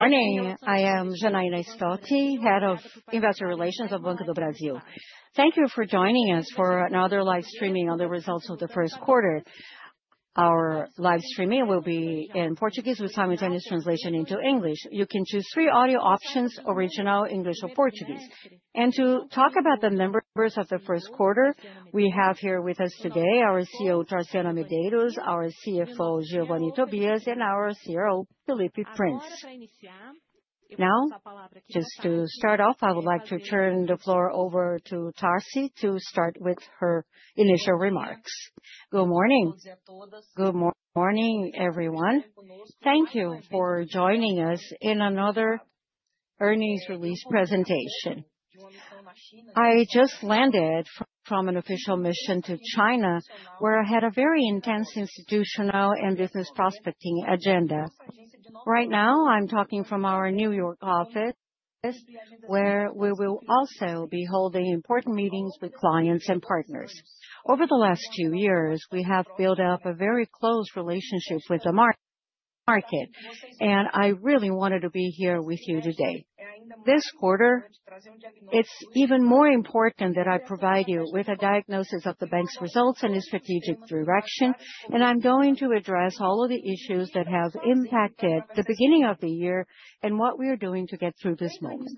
Morning. I am Janaína Storti, Head of Investor Relations at Banco do Brasil. Thank you for joining us for another live streaming on the results of the first quarter. Our live streaming will be in Portuguese with simultaneous translation into English. You can choose three audio options: original, English, or Portuguese. To talk about the numbers of the first quarter, we have here with us today our CEO, Tarciana Medeiros, our CFO, Giovanni Tobias, and our CRO, Felipe Prince. Now, just to start off, I would like to turn the floor over to Tarci to start with her initial remarks. Good morning. Good morning, everyone. Thank you for joining us in another earnings release presentation. I just landed from an official mission to China, where I had a very intense institutional and business prospecting agenda. Right now, I'm talking from our New York office, where we will also be holding important meetings with clients and partners. Over the last two years, we have built up a very close relationship with the market, and I really wanted to be here with you today. This quarter, it's even more important that I provide you with a diagnosis of the bank's results and its strategic direction, and I'm going to address all of the issues that have impacted the beginning of the year and what we are doing to get through this moment.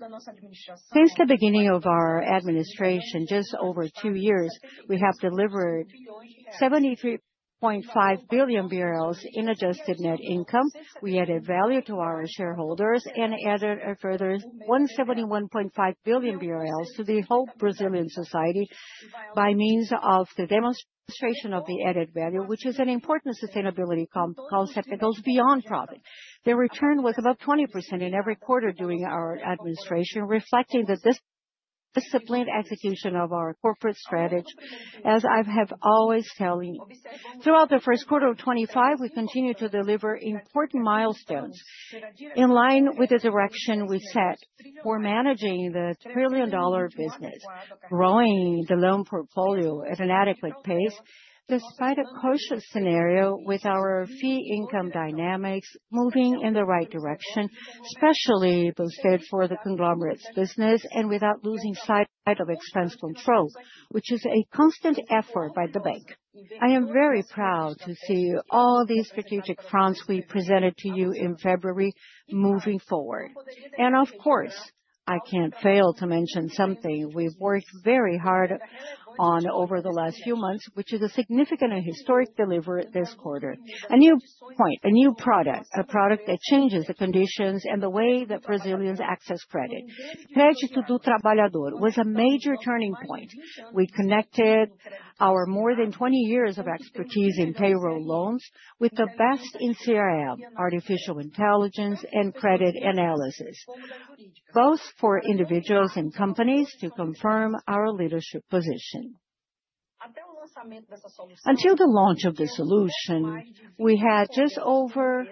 Since the beginning of our administration, just over two years, we have delivered 73.5 billion in adjusted net income. We added value to our shareholders and added a further 171.5 billion BRL to the whole Brazilian society by means of the demonstration of the added value, which is an important sustainability concept that goes beyond profit. The return was about 20% in every quarter during our administration, reflecting the disciplined execution of our corporate strategy, as I have always telling you. Throughout the first quarter of 2025, we continue to deliver important milestones in line with the direction we set for managing the trillion-dollar business, growing the loan portfolio at an adequate pace, despite a cautious scenario with our fee income dynamics moving in the right direction, especially instead for the conglomerate's business and without losing sight of expense control, which is a constant effort by the bank. I am very proud to see all these strategic funds we presented to you in February moving forward. Of course, I can't fail to mention something we've worked very hard on over the last few months, which is a significant and historic delivery this quarter: a new point, a new product, a product that changes the conditions and the way that Brazilians access credit. Crédito do Trabalhador was a major turning point. We connected our more than 20 years of expertise in payroll loans with the best in CRM, artificial intelligence, and credit analysis, both for individuals and companies to confirm our leadership position. Until the launch of the solution, we had just over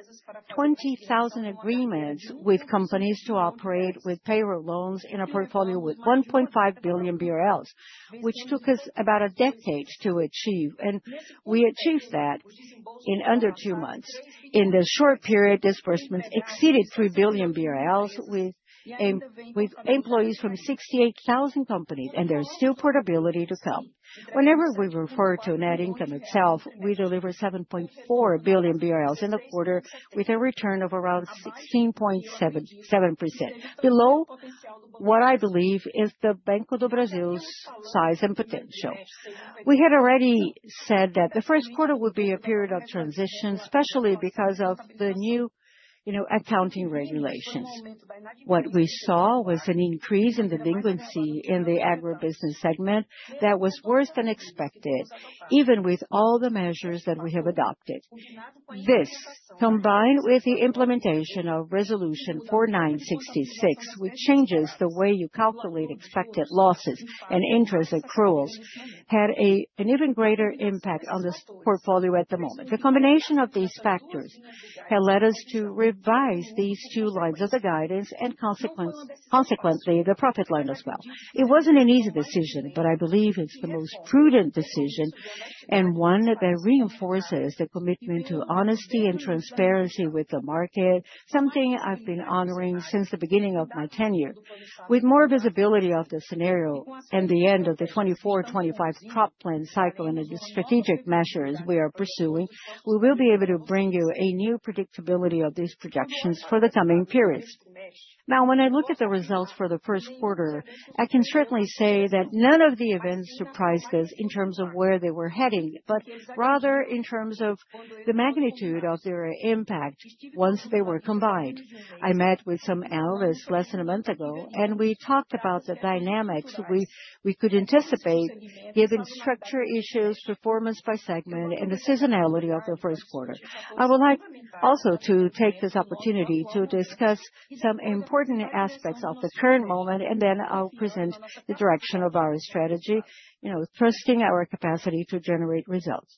20,000 agreements with companies to operate with payroll loans in a portfolio with 1.5 billion BRL, which took us about a decade to achieve, and we achieved that in under two months. In the short period, disbursements exceeded 3 billion BRL with employees from 68,000 companies, and there's still portability to come. Whenever we refer to net income itself, we deliver 7.4 billion BRL in the quarter with a return of around 16.7%, below what I believe is the Banco do Brasil's size and potential. We had already said that the first quarter would be a period of transition, especially because of the new accounting regulations. What we saw was an increase in delinquency in the agribusiness segment that was worse than expected, even with all the measures that we have adopted. This, combined with the implementation of Resolution 4966, which changes the way you calculate expected losses and interest accruals, had an even greater impact on the portfolio at the moment. The combination of these factors has led us to revise these two lines of the guidance and, consequently, the profit line as well. It wasn't an easy decision, but I believe it's the most prudent decision and one that reinforces the commitment to honesty and transparency with the market, something I've been honoring since the beginning of my tenure. With more visibility of the scenario and the end of the 2024-2025 crop plan cycle and the strategic measures we are pursuing, we will be able to bring you a new predictability of these projections for the coming periods. Now, when I look at the results for the first quarter, I can certainly say that none of the events surprised us in terms of where they were heading, but rather in terms of the magnitude of their impact once they were combined. I met with some analysts less than a month ago, and we talked about the dynamics we could anticipate, given structure issues, performance by segment, and the seasonality of the first quarter. I would like also to take this opportunity to discuss some important aspects of the current moment, and then I'll present the direction of our strategy, trusting our capacity to generate results.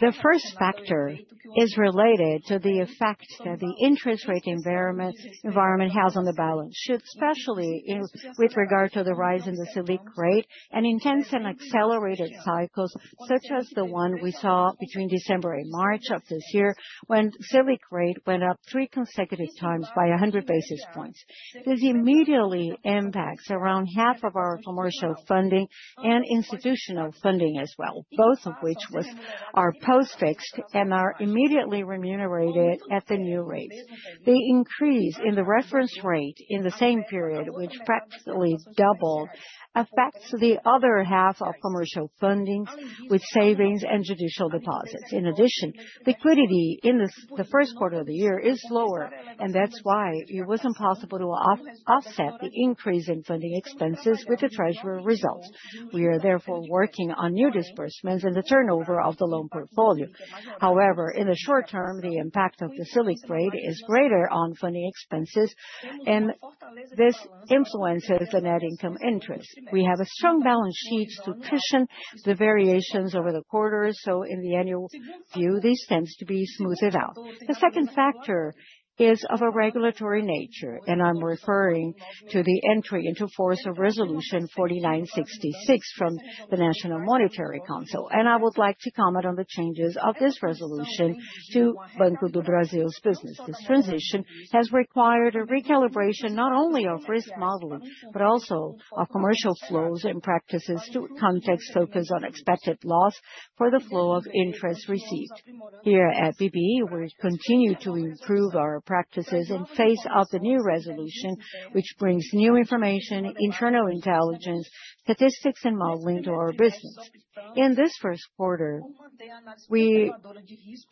The first factor is related to the effect that the interest rate environment has on the balance sheet, especially with regard to the rise in the SELIC rate and intense and accelerated cycles such as the one we saw between December and March of this year, when SELIC rate went up three consecutive times by 100 basis points. This immediately impacts around half of our commercial funding and institutional funding as well, both of which were post-fixed and are immediately remunerated at the new rates. The increase in the reference rate in the same period, which practically doubled, affects the other half of commercial fundings with savings and judicial deposits. In addition, liquidity in the first quarter of the year is lower, and that's why it was impossible to offset the increase in funding expenses with the Treasury results. We are therefore working on new disbursements and the turnover of the loan portfolio. However, in the short term, the impact of the SELIC rate is greater on funding expenses, and this influences the net interest income. We have a strong balance sheet to cushion the variations over the quarters, so in the annual view, this tends to be smoothed out. The second factor is of a regulatory nature, and I'm referring to the entry into force of Resolution 4966 from the National Monetary Council. I would like to comment on the changes of this resolution to Banco do Brasil's business. This transition has required a recalibration not only of risk modeling, but also of commercial flows and practices to context focus on expected loss for the flow of interest received. Here at BB Seguridade, we continue to improve our practices and face up to the new resolution, which brings new information, internal intelligence, statistics, and modeling to our business. In this first quarter, we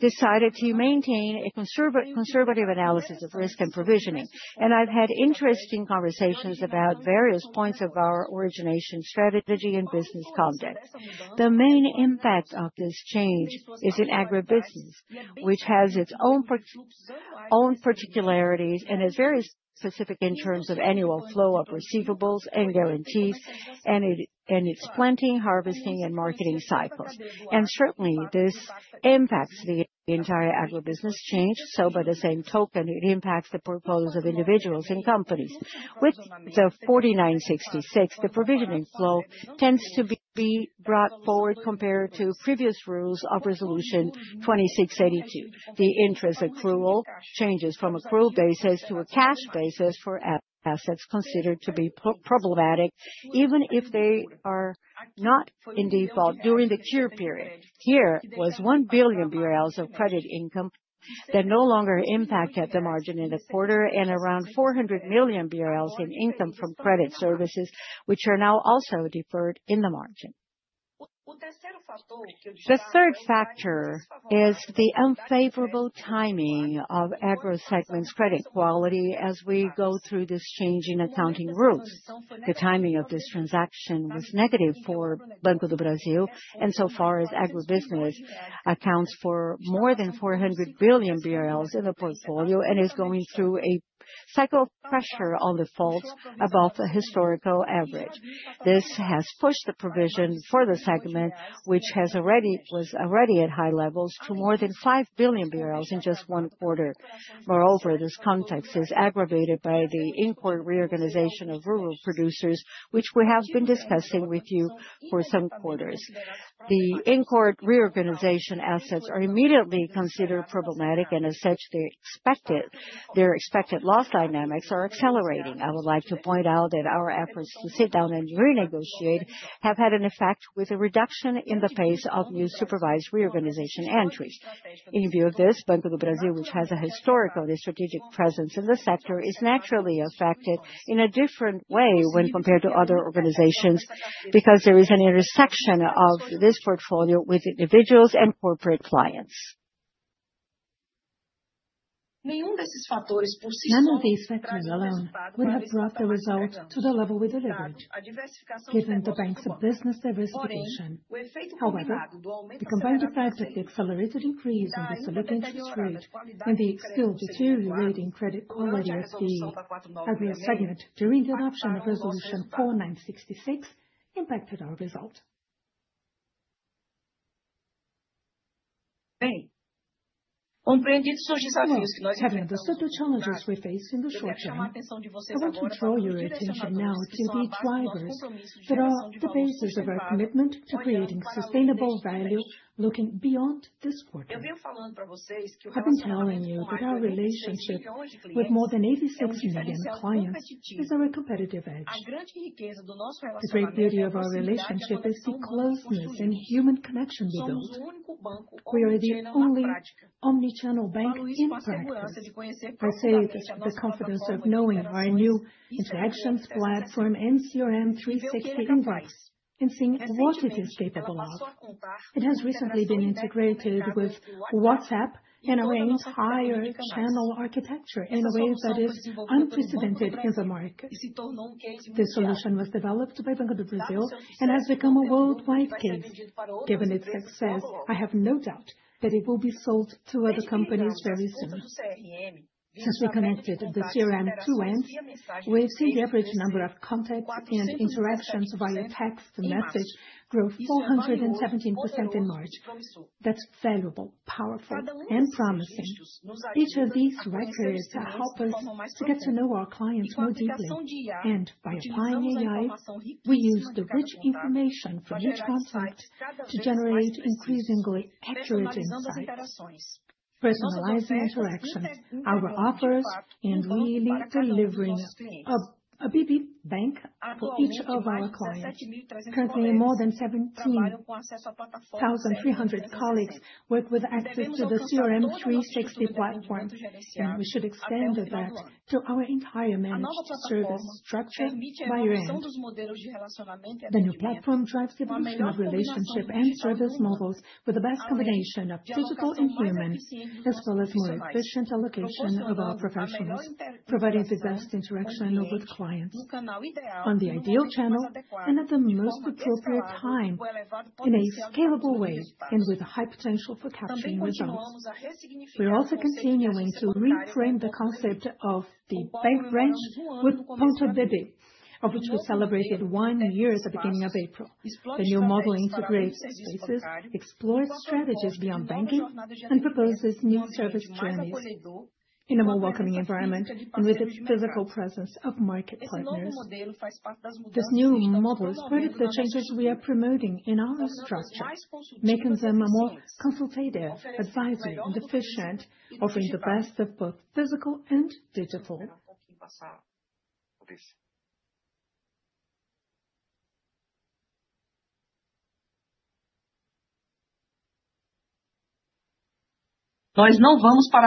decided to maintain a conservative analysis of risk and provisioning, and I've had interesting conversations about various points of our origination strategy and business context. The main impact of this change is in agribusiness, which has its own particularities and is very specific in terms of annual flow of receivables and guarantees and its planting, harvesting, and marketing cycles. This certainly impacts the entire agribusiness chain, so by the same token, it impacts the portfolios of individuals and companies. With the 4966, the provisioning flow tends to be brought forward compared to previous rules of Resolution 2682. The interest accrual changes from accrual basis to a cash basis for assets considered to be problematic, even if they are not in default during the cure period. Here was 1 billion BRL of credit income that no longer impacted the margin in the quarter and around 400 million BRL in income from credit services, which are now also deferred in the margin. The third factor is the unfavorable timing of agro segments' credit quality as we go through this change in accounting rules. The timing of this transaction was negative for Banco do Brasil, and so far as agribusiness accounts for more than 400 billion BRL in the portfolio and is going through a cycle of pressure on defaults above the historical average. This has pushed the provision for the segment, which was already at high levels, to more than 5 billion in just one quarter. Moreover, this context is aggravated by the in court reorganization of rural producers, which we have been discussing with you for some quarters. The in court reorganization assets are immediately considered problematic, and as such, their expected loss dynamics are accelerating. I would like to point out that our efforts to sit down and renegotiate have had an effect with a reduction in the pace of new supervised reorganization entries. In view of this, Banco do Brasil, which has a historical and strategic presence in the sector, is naturally affected in a different way when compared to other organizations because there is an intersection of this portfolio with individuals and corporate clients. None of these factors would have brought the result to the level we delivered, given the bank's business diversification. However, the combined effect of the accelerated increase in the SELIC rate and the still deteriorating credit quality of the agro segment during the adoption of Resolution 4966 impacted our result. Having the challenges we faced in the short term, I want to draw your attention now to the drivers that are the basis of our commitment to creating sustainable value looking beyond this quarter. I've been telling you that our relationship with more than 86 million clients is our competitive edge. The great beauty of our relationship is the closeness and human connection we built. We are the only omnichannel bank in practice. I say this with the confidence of knowing our new interactions platform and CRM 360 in voice and seeing what it is capable of. It has recently been integrated with WhatsApp and our entire channel architecture in a way that is unprecedented in the market. This solution was developed by Banco do Brasil and has become a worldwide case. Given its success, I have no doubt that it will be sold to other companies very soon. Since we connected the CRM two ends, we have seen the average number of contacts and interactions via text message grow 417% in March. That is valuable, powerful, and promising. Each of these records helps us to get to know our clients more deeply. By applying AI, we use the rich information from each contact to generate increasingly accurate insights, personalizing interactions, our offers, and really delivering a BB bank for each of our clients. Currently, more than 17,300 colleagues work with access to the CRM 360 platform, and we should extend that to our entire managed service structure by year end. The new platform drives the evolution of relationship and service models with the best combination of physical and human, as well as more efficient allocation of our professionals, providing the best interaction with clients on the ideal channel and at the most appropriate time in a scalable way and with a high potential for capturing results. We are also continuing to reframe the concept of the bank branch with Ponto BB, of which we celebrated one year at the beginning of April. The new model integrates spaces, explores strategies beyond banking, and proposes new service journeys in a more welcoming environment and with the physical presence of market partners. This new model spreads the changes we are promoting in our structure, making them more consultative, advisory, and efficient, offering the best of both physical and digital. Nós não vamos parar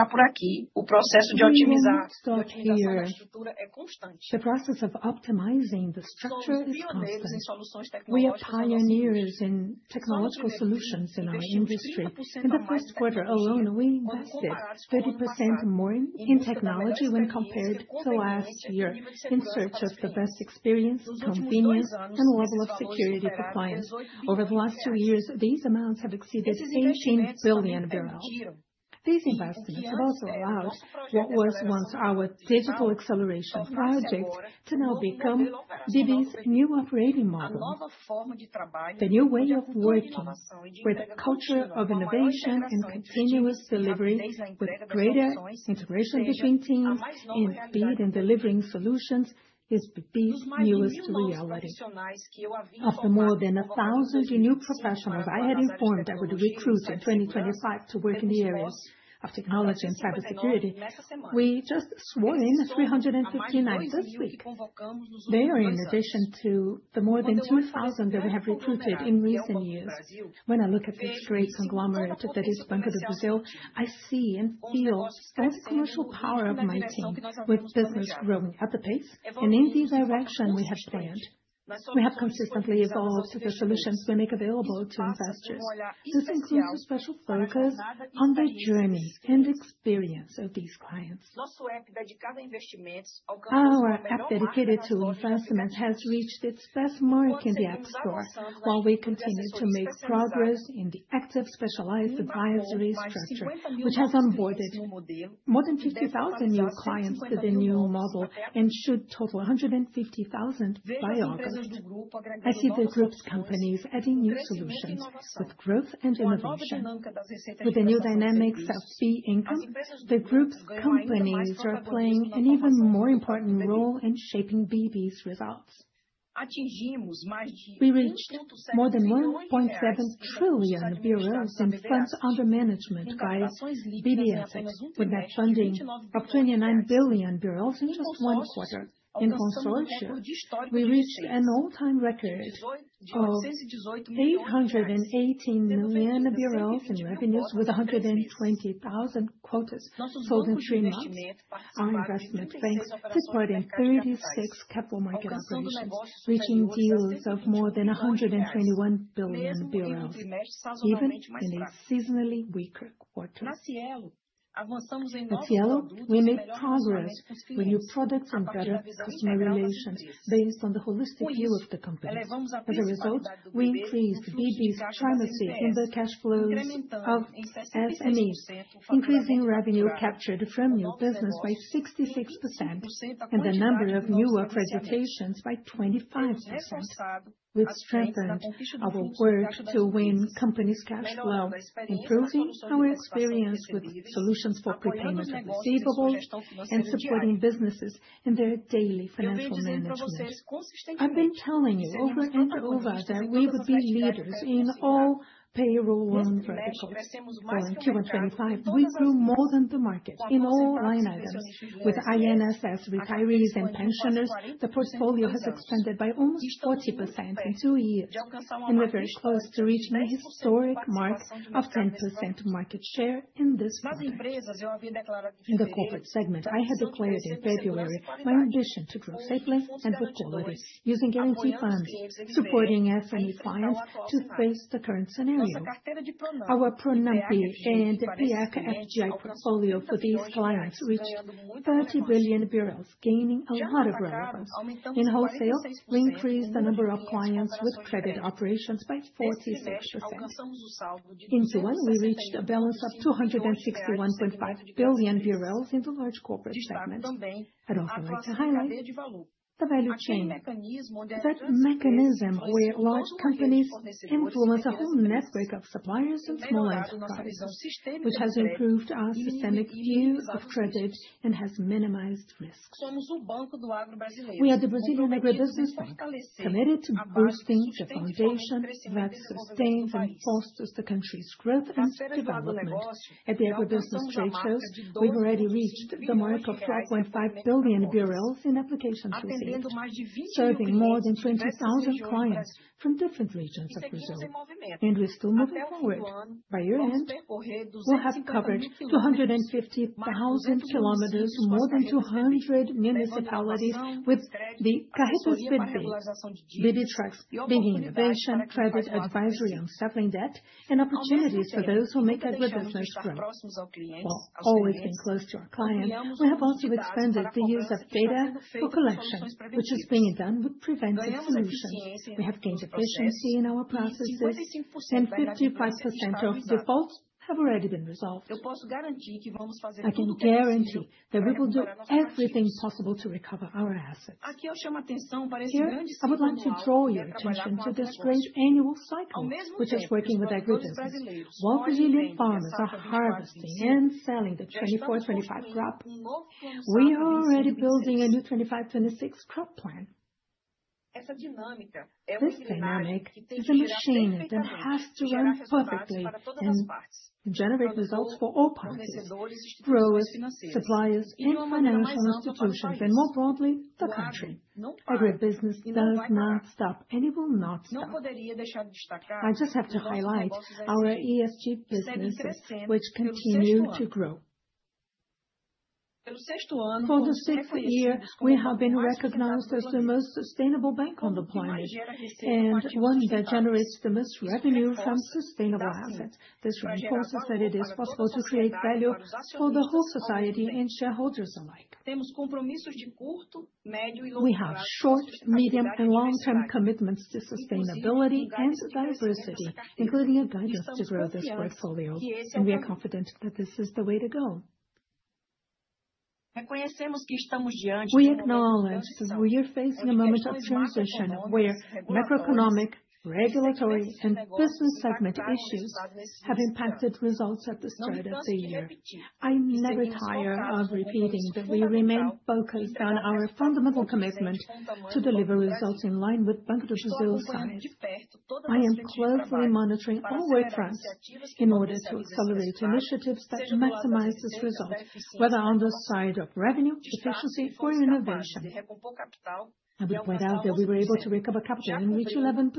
por aqui. O processo de otimizar a estrutura é constante. The process of optimizing the structure is continuous. We are pioneers in technological solutions in our industry. In the first quarter alone, we invested 30% more in technology when compared to last year in search of the best experience, convenience, and level of security for clients. Over the last two years, these amounts have exceeded BRL 18 billion. These investments have also allowed what was once our digital acceleration project to now become BB's new operating model. The new way of working, with a culture of innovation and continuous delivery, with greater integration between teams and speed in delivering solutions, is BB's newest reality. After more than 1,000 new professionals I had informed I would recruit in 2025 to work in the areas of technology and cybersecurity, we just swore in 359 this week. They are in addition to the more than 2,000 that we have recruited in recent years. When I look at this great conglomerate that is Banco do Brasil, I see and feel both the commercial power of my team, with business growing at the pace and in the direction we have planned. We have consistently evolved the solutions we make available to investors. This includes a special focus on the journey and experience of these clients. Our app dedicated to investments has reached its best mark in the App Store, while we continue to make progress in the active specialized advisory structure, which has onboarded more than 50,000 new clients to the new model and should total 150,000 by August. I see the group's companies adding new solutions with growth and innovation. With the new dynamics of B income, the group's companies are playing an even more important role in shaping BB's results. We reached more than 1.7 trillion BRL in funds under management by BBSX, with net funding of 29 billion BRL in just one quarter. In consortia, we reached an all-time record of BRL 818 million in revenues, with 120,000 quotas sold in three months. Our investment banks supporting 36 capital market operations, reaching deals of more than BRL 121 billion, even in a seasonally weaker quarter. At Cielo, we made progress with new products and better customer relations based on the holistic view of the company. As a result, we increased BB's trying to see in the cash flows of SMEs, increasing revenue captured from new business by 66% and the number of new accreditations by 25%, with strengthening of our work to win companies' cash flow, improving our experience with solutions for prepayment of receivables and supporting businesses in their daily financial management. I've been telling you over and over that we would be leaders in all payroll and verticals. During Q1 2025, we grew more than the market in all line items. With INSS retirees and pensioners, the portfolio has expanded by almost 40% in two years, and we're very close to reaching a historic mark of 10% market share in this market. In the corporate segment, I had declared in February my ambition to grow safely and with quality, using guarantee funds, supporting SME clients to face the current scenario. Our Pronampi and EACA FGI portfolio for these clients reached 30 billion BRL, gaining a lot of relevance. In wholesale, we increased the number of clients with credit operations by 46%. In Q1, we reached a balance of 261.5 billion in the large corporate segment. I'd also like to highlight the value chain. That mechanism, where large companies influence a whole network of suppliers and small enterprises, which has improved our systemic view of credit and has minimized risks. We are the Brazilian Agribusiness Bank, committed to boosting the foundation that sustains and fosters the country's growth and development. At the Agribusiness Trade Shows, we have already reached the mark of 12.5 billion BRL in applications received, serving more than 20,000 clients from different regions of Brazil. We are still moving forward. By year end, we will have covered 250,000 km, more than 200 municipalities, with the CARRETAS BB, BB trucks, BB innovation, credit advisory on settling debt, and opportunities for those who make agribusiness growth. While always being close to our clients, we have also expanded the use of data for collection, which is being done with preventive solutions. We have gained efficiency in our processes, and 55% of defaults have already been resolved. I can guarantee that we will do everything possible to recover our assets. I would like to draw your attention to the straight annual cycle, which is working with agribusiness. While Brazilian farmers are harvesting and selling the 2024-2025 crop, we are already building a new 2025-2026 crop plan. This dynamic is a machine that has to run perfectly and generate results for all parties: growers, suppliers, and financial institutions, and more broadly, the country. Agribusiness does not stop, and it will not stop. I just have to highlight our ESG businesses, which continue to grow. For the sixth year, we have been recognized as the most sustainable bank on the planet, and one that generates the most revenue from sustainable assets. This reinforces that it is possible to create value for the whole society and shareholders alike. We have short, medium, and long-term commitments to sustainability and diversity, including a guidance to grow this portfolio. We are confident that this is the way to go. We acknowledge that we are facing a moment of transition where macroeconomic, regulatory, and business segment issues have impacted results at the start of the year. I never tire of repeating that we remain focused on our fundamental commitment to deliver results in line with Banco do Brasil's size. I am closely monitoring all work fronts in order to accelerate initiatives that maximize this result, whether on the side of revenue, efficiency, or innovation. I would point out that we were able to recover capital and reach 11%,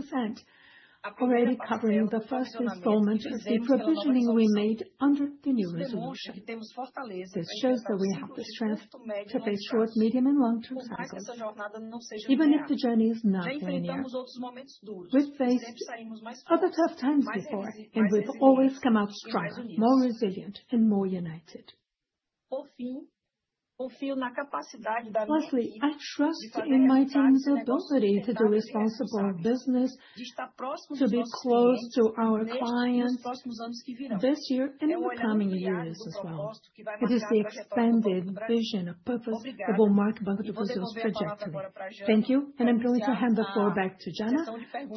already covering the first installment of the provisioning we made under the new resolution. This shows that we have the strength to face short, medium, and long-term cycles, even if the journey is not linear. We've faced other tough times before, and we've always come out stronger, more resilient, and more united. Lastly, I trust in my team's ability to do responsible business, to be close to our clients this year and in coming years as well. It is the expanded vision and purpose that will mark Banco do Brasil's trajectory. Thank you, and I'm going to hand the floor back to Jana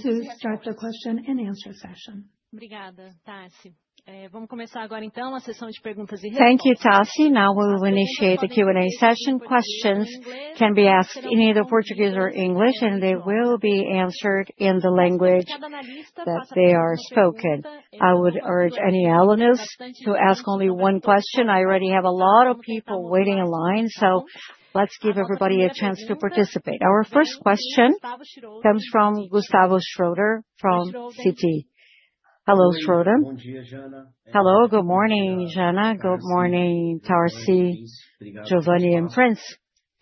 to start the question and answer session. Obrigada, Tarsi. Vamos começar agora, então, a sessão de perguntas e respostas. Thank you, Tarsi. Now we will initiate the Q&A session. Questions can be asked in either Portuguese or English, and they will be answered in the language that they are spoken. I would urge any alumnus to ask only one question. I already have a lot of people waiting in line, so let's give everybody a chance to participate. Our first question comes from Gustavo Schroeder from Citibank. Hello, Schroeder. Hello, good morning, Jana. Good morning, Tarsi, Giovanni, and Prince.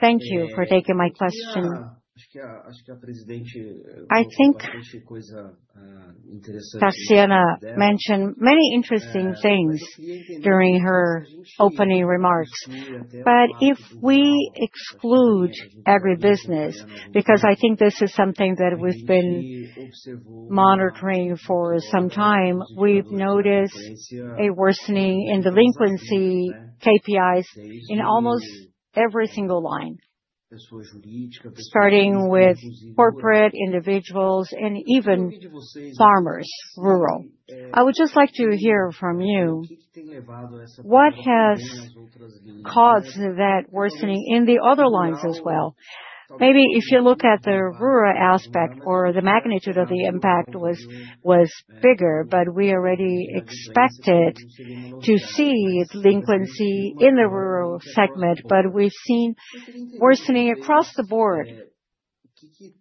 Thank you for taking my question. I think Tarciana mentioned many interesting things during her opening remarks. If we exclude agribusiness, because I think this is something that we've been monitoring for some time, we've noticed a worsening in delinquency KPIs in almost every single line, starting with corporate, individuals, and even farmers, rural. I would just like to hear from you what has caused that worsening in the other lines as well. Maybe if you look at the rural aspect, the magnitude of the impact was bigger, but we already expected to see delinquency in the rural segment, but we've seen worsening across the board.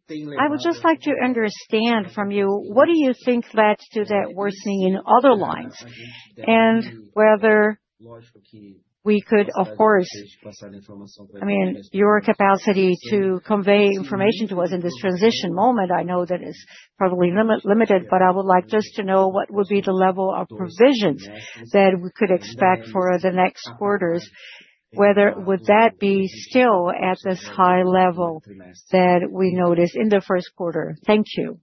I would just like to understand from you, what do you think led to that worsening in other lines, and whether we could, of course, I mean, your capacity to convey information to us in this transition moment. I know that it is probably limited, but I would like just to know what would be the level of provisions that we could expect for the next quarters. Would that be still at this high level that we noticed in the first quarter? Thank you.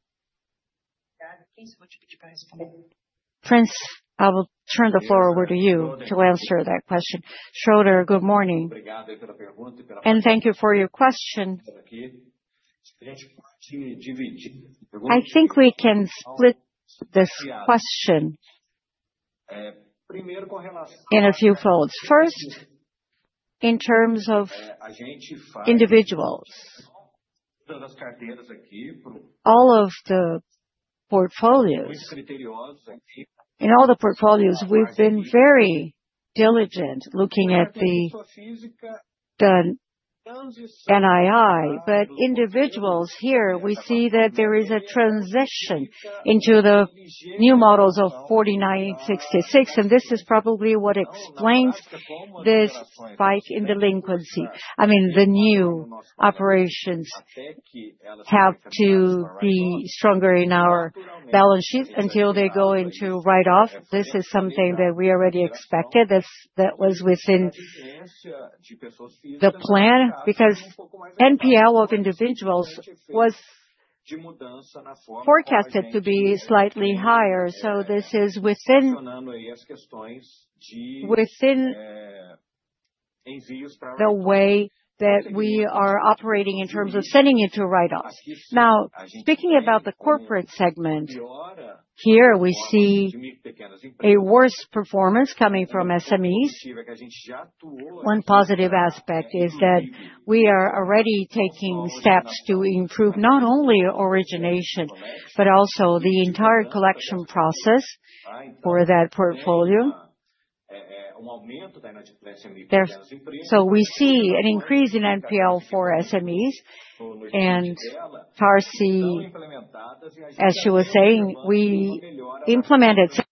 Prince, I will turn the floor over to you to answer that question. Schroeder, good morning. Obrigado. Thank you for your question. I think we can split this question in a few folds. First, in terms of individuals, all of the portfolios, in all the portfolios, we've been very diligent looking at the NII, but individuals, here, we see that there is a transition into the new models of 4966, and this is probably what explains this spike in delinquency. I mean, the new operations have to be stronger in our balance sheet until they go into write-off. This is something that we already expected. That was within the plan, because NPL of individuals was forecasted to be slightly higher. So this is within the way that we are operating in terms of sending into write-offs. Now, speaking about the corporate segment, here, we see a worse performance coming from SMEs. One positive aspect is that we are already taking steps to improve not only origination, but also the entire collection process for that portfolio. We see an increase in NPL for SMEs, and Tarsi, as she was saying, we implemented the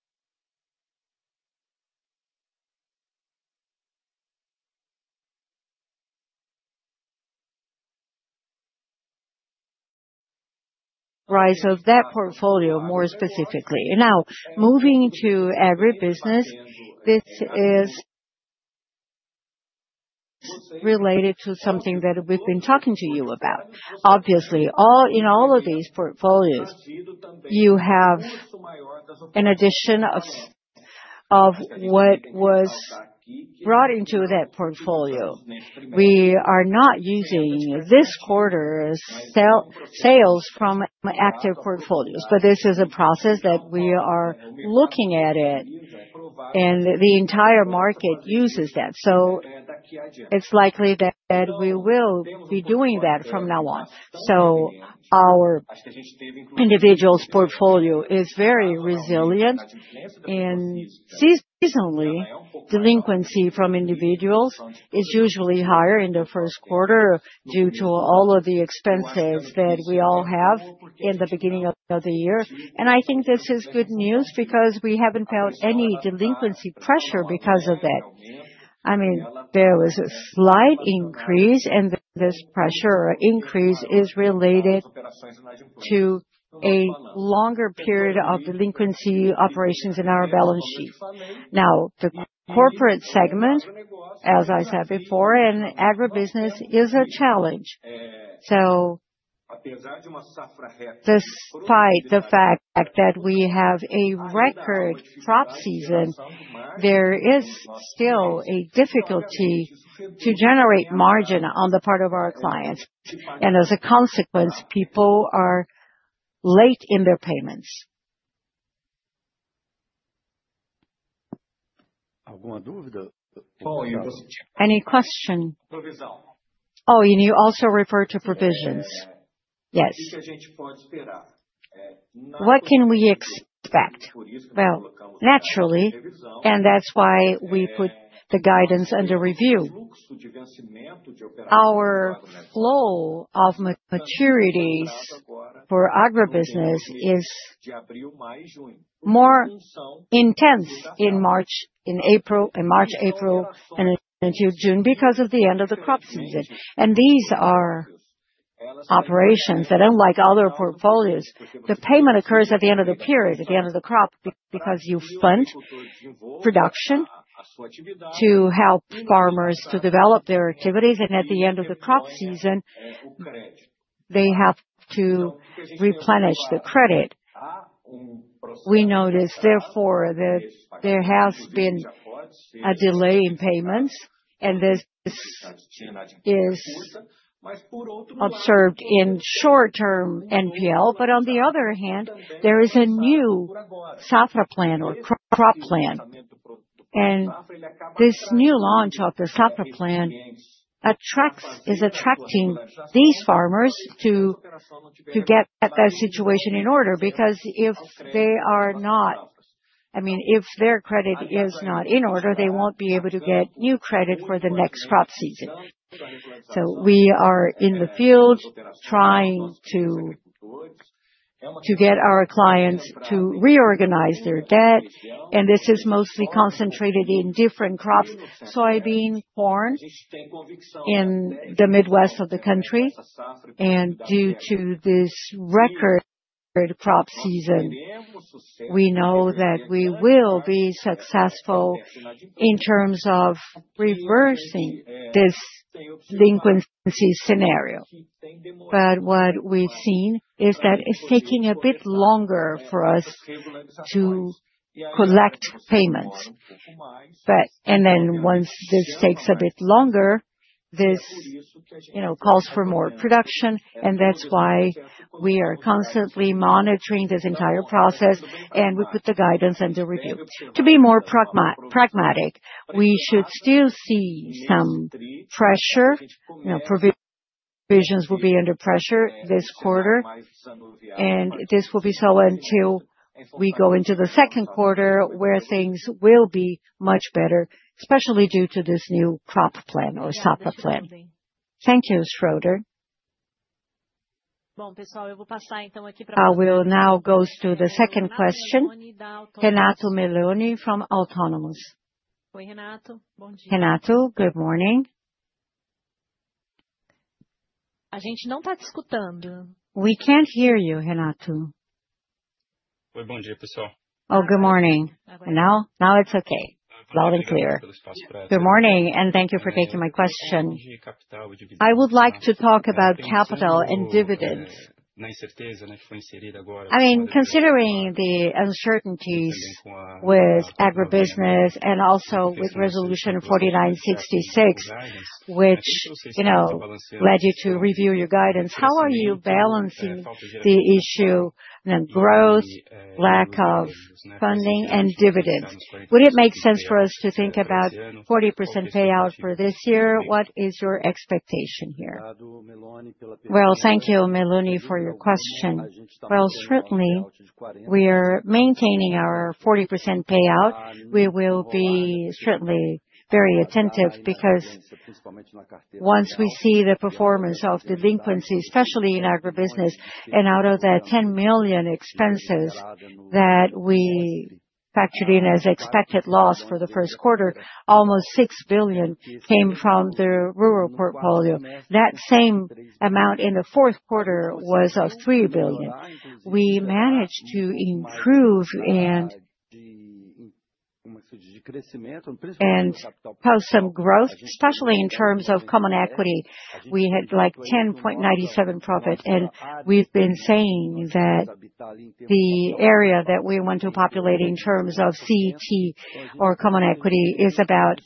rise of that portfolio more specifically. Now, moving to agribusiness, this is related to something that we have been talking to you about. Obviously, in all of these portfolios, you have an addition of what was brought into that portfolio. We are not using this quarter's sales from active portfolios, but this is a process that we are looking at, and the entire market uses that. It is likely that we will be doing that from now on. Our individuals' portfolio is very resilient, and seasonally, delinquency from individuals is usually higher in the first quarter due to all of the expenses that we all have in the beginning of the year. I think this is good news because we have not felt any delinquency pressure because of that. I mean, there was a slight increase, and this pressure increase is related to a longer period of delinquency operations in our balance sheet. Now, the corporate segment, as I said before, and agribusiness is a challenge. So despite the fact that we have a record crop season, there is still a difficulty to generate margin on the part of our clients. And as a consequence, people are late in their payments. Any question? Oh, you also referred to provisions. Yes. What can we expect? Naturally, that is why we put the guidance under review. Our flow of maturities for agribusiness is more intense in March, April, and until June because of the end of the crop season. These are operations that, unlike other portfolios, the payment occurs at the end of the period, at the end of the crop, because you fund production to help farmers to develop their activities. At the end of the crop season, they have to replenish the credit. We notice, therefore, that there has been a delay in payments, and this is observed in short-term NPL. On the other hand, there is a new Crop Plan or crop plan. This new launch of the Crop Plan is attracting these farmers to get that situation in order, because if they are not, I mean, if their credit is not in order, they will not be able to get new credit for the next crop season. We are in the field trying to get our clients to reorganize their debt. This is mostly concentrated in different crops: soybean, corn in the Midwest of the country. Due to this record crop season, we know that we will be successful in terms of reversing this delinquency scenario. What we've seen is that it's taking a bit longer for us to collect payments. Once this takes a bit longer, this calls for more production. That is why we are constantly monitoring this entire process, and we put the guidance under review. To be more pragmatic, we should still see some pressure. Provisions will be under pressure this quarter, and this will be so until we go into the second quarter, where things will be much better, especially due to this new crop plan or Safra Plan. Thank you, Schroeder. Bom, pessoal, eu vou passar então aqui para a... I will now go to the second question. Renato Meloni from Autonomous. Oi, Renato. Bom dia. Renato, good morning. A gente não está te escutando. We can't hear you, Renato. Oi, bom dia, pessoal. Oh, good morning. Now it's okay. Loud and clear. Good morning, and thank you for taking my question. I would like to talk about capital and dividends. I mean, considering the uncertainties with agribusiness and also with Resolution 4966, which, you know, led you to review your guidance, how are you balancing the issue of growth, lack of funding, and dividends? Would it make sense for us to think about 40% payout for this year? What is your expectation here? Thank you, Meloni, for your question. Certainly, we are maintaining our 40% payout. We will be certainly very attentive because once we see the performance of delinquencies, especially in agribusiness, and out of the 10 billion expenses that we factored in as expected loss for the first quarter, almost 6 billion came from the rural portfolio. That same amount in the fourth quarter was 3 billion. We managed to improve and have some growth, especially in terms of common equity. We had like 10.97% profit, and we've been saying that the area that we want to populate in terms of CET1 or common equity is about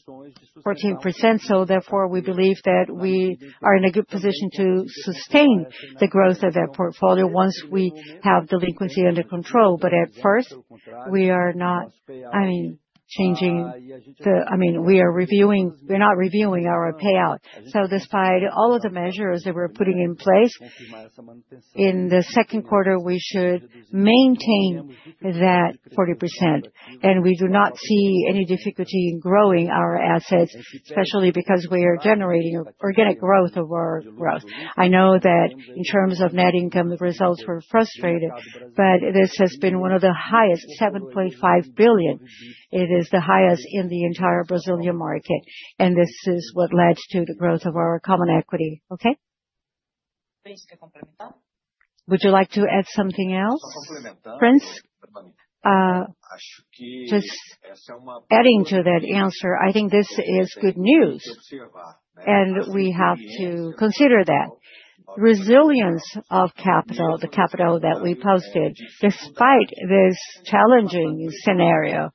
14%. Therefore, we believe that we are in a good position to sustain the growth of that portfolio once we have delinquency under control. At first, we are not, I mean, changing the, I mean, we are reviewing, we're not reviewing our payout. Despite all of the measures that we are putting in place, in the second quarter, we should maintain that 40%. We do not see any difficulty in growing our assets, especially because we are generating organic growth of our growth. I know that in terms of net income, the results were frustrated, but this has been one of the highest, 7.5 billion. It is the highest in the entire Brazilian market, and this is what led to the growth of our common equity. Okay? Would you like to add something else, Prince? Just adding to that answer, I think this is good news, and we have to consider that resilience of capital, the capital that we posted, despite this challenging scenario.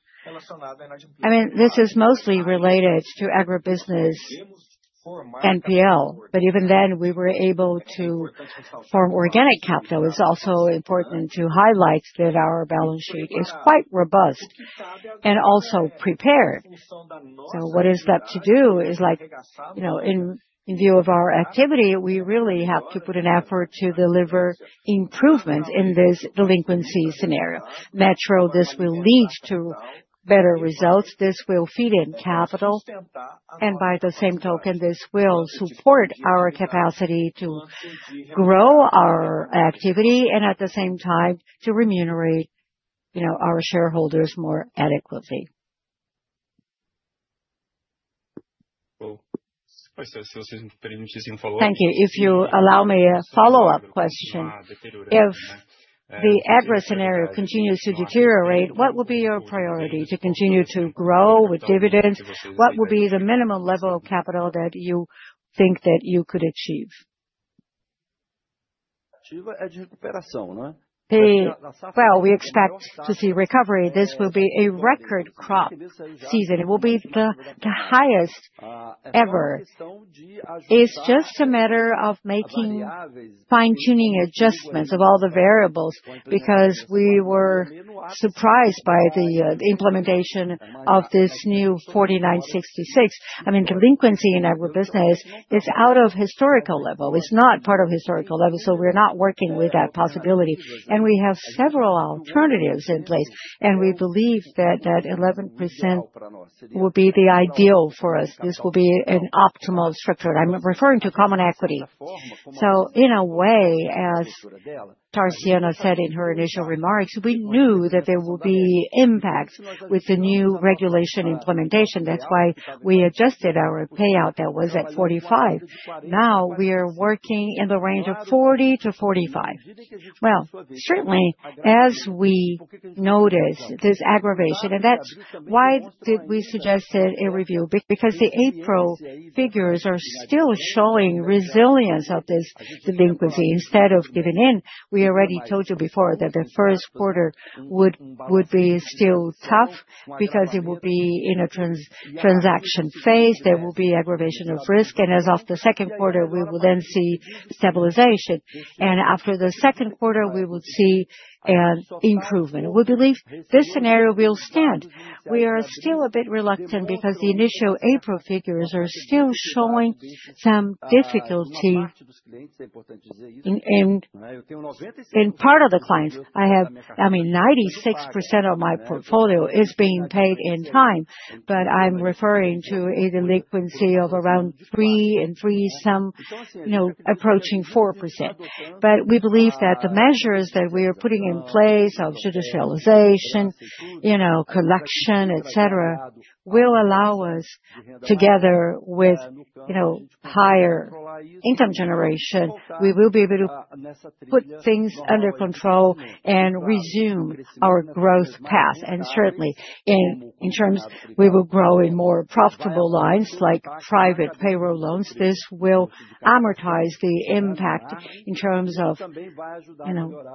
I mean, this is mostly related to agribusiness NPL, but even then we were able to form organic capital. It's also important to highlight that our balance sheet is quite robust and also prepared. So what is left to do is, like, you know, in view of our activity, we really have to put an effort to deliver improvements in this delinquency scenario. Metro, this will lead to better results. This will feed in capital, and by the same token, this will support our capacity to grow our activity and at the same time to remunerate, you know, our shareholders more adequately. Thank you. If you allow me a follow-up question, if the agri scenario continues to deteriorate, what will be your priority? To continue to grow with dividends? What will be the minimum level of capital that you think that you could achieve? We expect to see recovery. This will be a record crop season. It will be the highest ever. It's just a matter of making fine-tuning adjustments of all the variables because we were surprised by the implementation of this new 4966. I mean, delinquency in agribusiness is out of historical level. It's not part of historical level, so we're not working with that possibility. And we have several alternatives in place, and we believe that that 11% will be the ideal for us. This will be an optimal structure. I'm referring to common equity. In a way, as Tarciana said in her initial remarks, we knew that there will be impacts with the new regulation implementation. That's why we adjusted our payout that was at 45. Now we are working in the range of 40-45. Certainly, as we noticed this aggravation, and that's why did we suggest a review? Because the April figures are still showing resilience of this delinquency instead of giving in. We already told you before that the first quarter would be still tough because it will be in a transition phase. There will be aggravation of risk. As of the second quarter, we will then see stabilization. After the second quarter, we will see an improvement. We believe this scenario will stand. We are still a bit reluctant because the initial April figures are still showing some difficulty in part of the clients. I have, I mean, 96% of my portfolio is being paid in time, but I'm referring to a delinquency of around 3% and 3%, some, you know, approaching 4%. We believe that the measures that we are putting in place of judicialization, you know, collection, etc., will allow us, together with, you know, higher income generation, we will be able to put things under control and resume our growth path. Certainly, in terms we will grow in more profitable lines like private payroll loans. This will amortize the impact in terms of, you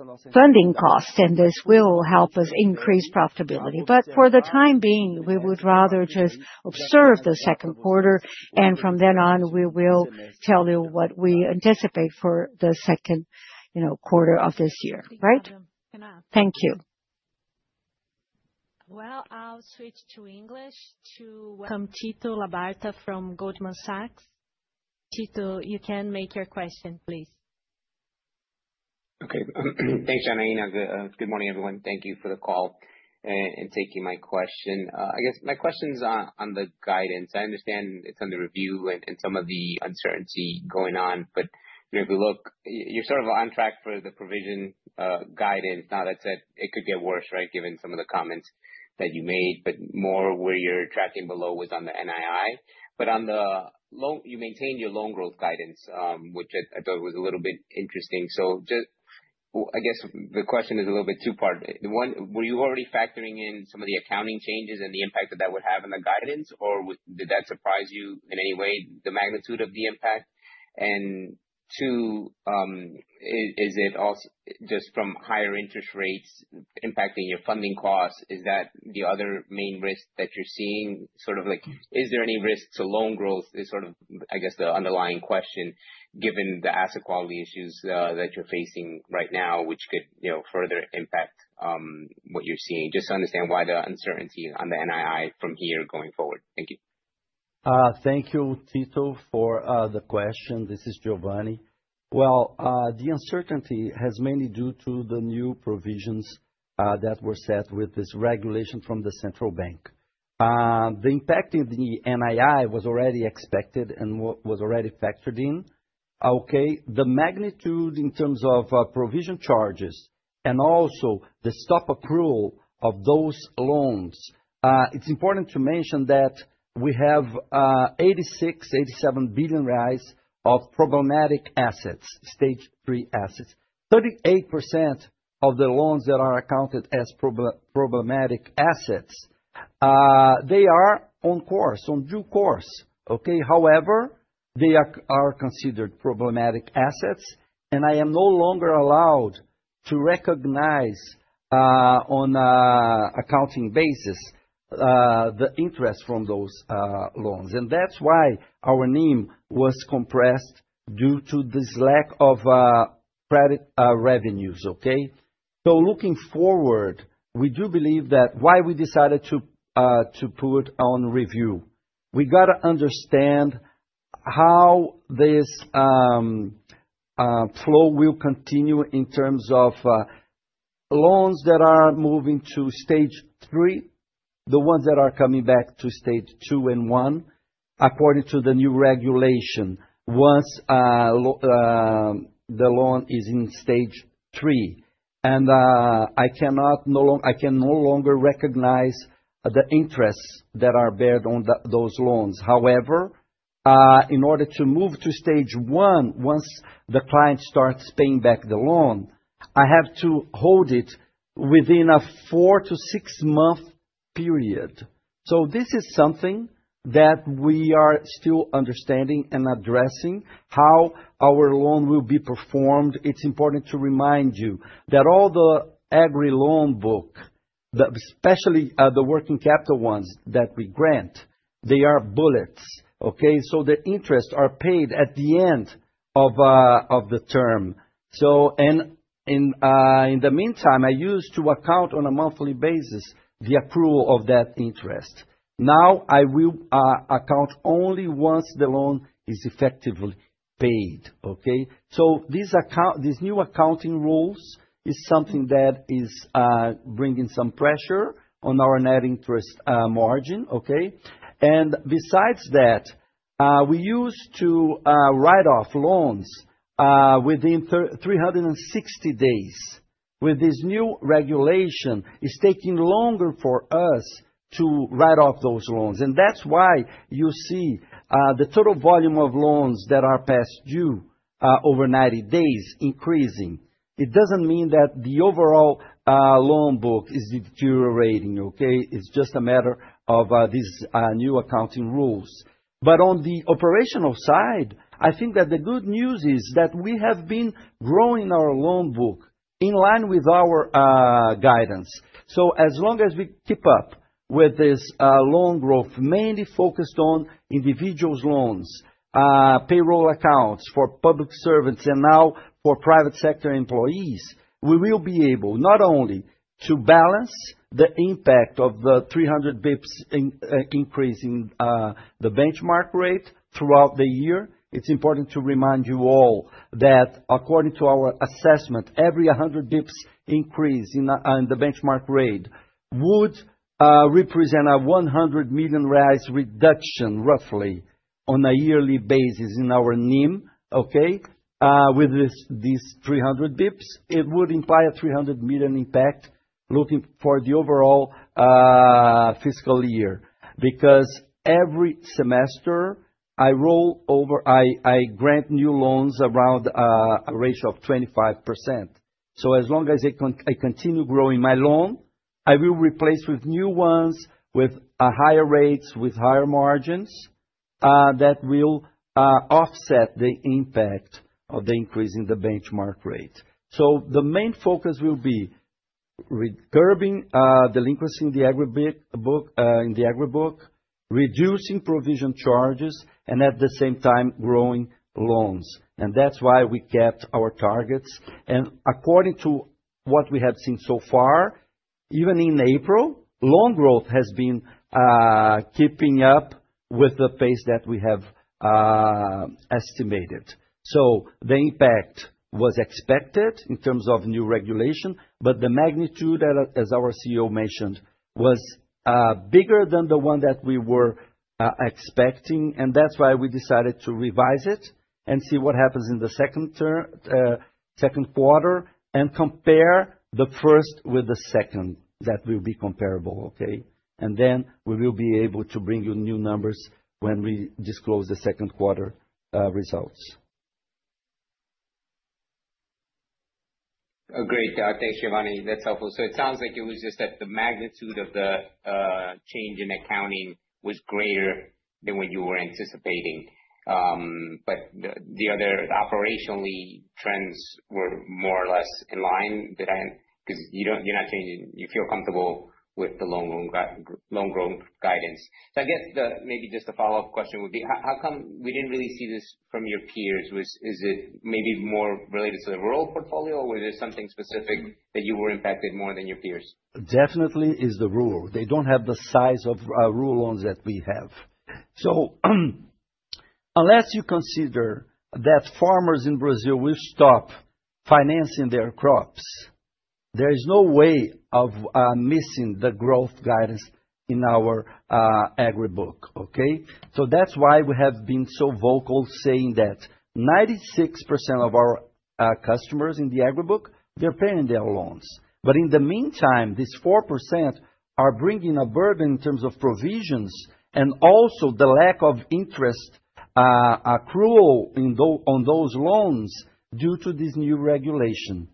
know, funding costs, and this will help us increase profitability. For the time being, we would rather just observe the second quarter, and from then on, we will tell you what we anticipate for the second, you know, quarter of this year. Right? Thank you. I'll switch to English to. From Tito Labarta from Goldman Sachs. Tito, you can make your question, please Okay. Thanks, Janaína. Good morning, everyone. Thank you for the call and taking my question. I guess my question's on the guidance. I understand it's under review and some of the uncertainty going on, but if we look, you're sort of on track for the provision guidance. Now, that said, it could get worse, right, given some of the comments that you made, but more where you're tracking below was on the NII. On the loan, you maintained your loan growth guidance, which I thought was a little bit interesting. I guess the question is a little bit two-part. One, were you already factoring in some of the accounting changes and the impact that that would have on the guidance, or did that surprise you in any way, the magnitude of the impact? Two, is it just from higher interest rates impacting your funding costs? Is that the other main risk that you're seeing? Is there any risk to loan growth? Is the underlying question, given the asset quality issues that you're facing right now, which could further impact what you're seeing? Just to understand why the uncertainty on the NII from here going forward. Thank you. Thank you, Tito, for the question. This is Giovanni. The uncertainty is mainly due to the new provisions that were set with this regulation from the central bank. The impact in the NII was already expected and was already factored in. The magnitude in terms of provision charges and also the stop approval of those loans, it's important to mention that we have 86-87 billion reais of problematic assets, stage three assets. 38% of the loans that are accounted as problematic assets, they are on course, on due course. However, they are considered problematic assets, and I am no longer allowed to recognize on an accounting basis the interest from those loans. That's why our NII was compressed due to this lack of credit revenues. Looking forward, we do believe that why we decided to put on review. We got to understand how this flow will continue in terms of loans that are moving to stage three, the ones that are coming back to stage two and one, according to the new regulation, once the loan is in stage three. I cannot no longer recognize the interests that are buried on those loans. However, in order to move to stage one, once the client starts paying back the loan, I have to hold it within a four- to six-month period. This is something that we are still understanding and addressing how our loan will be performed. It is important to remind you that all the agri loan book, especially the working capital ones that we grant, they are bullets. The interests are paid at the end of the term. In the meantime, I used to account on a monthly basis the accrual of that interest. Now I will account only once the loan is effectively paid. Okay. These new accounting rules are something that is bringing some pressure on our net interest margin. Besides that, we used to write off loans within 360 days. With this new regulation, it is taking longer for us to write off those loans. That is why you see the total volume of loans that are past due over 90 days increasing. It does not mean that the overall loan book is deteriorating. Okay. It is just a matter of these new accounting rules. On the operational side, I think that the good news is that we have been growing our loan book in line with our guidance. As long as we keep up with this loan growth, mainly focused on individuals' loans, payroll accounts for public servants, and now for private sector employees, we will be able not only to balance the impact of the 300 basis points increase in the benchmark rate throughout the year. It's important to remind you all that according to our assessment, every 100 basis points increase in the benchmark rate would represent a 100 million reduction roughly on a yearly basis in our NIM. Okay. With these 300 basis points, it would imply a 300 million impact looking for the overall fiscal year because every semester I roll over, I grant new loans around a ratio of 25%. As long as I continue growing my loan, I will replace with new ones with higher rates, with higher margins that will offset the impact of the increase in the benchmark rate. The main focus will be curbing delinquency in the agri book, reducing provision charges, and at the same time growing loans. That is why we kept our targets. According to what we have seen so far, even in April, loan growth has been keeping up with the pace that we have estimated. The impact was expected in terms of new regulation, but the magnitude, as our CEO mentioned, was bigger than the one that we were expecting. That is why we decided to revise it and see what happens in the second quarter and compare the first with the second that will be comparable. Okay. Then we will be able to bring you new numbers when we disclose the second quarter results. Great. Thanks, Giovanni. That is helpful. It sounds like it was just that the magnitude of the change in accounting was greater than what you were anticipating. The other operationally trends were more or less in line because you're not changing. You feel comfortable with the loan growth guidance. I guess maybe just a follow-up question would be, how come we did not really see this from your peers? Is it maybe more related to the rural portfolio, or was there something specific that you were impacted more than your peers? Definitely is the rural. They do not have the size of rural loans that we have. Unless you consider that farmers in Brazil will stop financing their crops, there is no way of missing the growth guidance in our agri book. Okay. That is why we have been so vocal saying that 96% of our customers in the agri book, they are paying their loans. In the meantime, these 4% are bringing a burden in terms of provisions and also the lack of interest accrual on those loans due to this new regulation.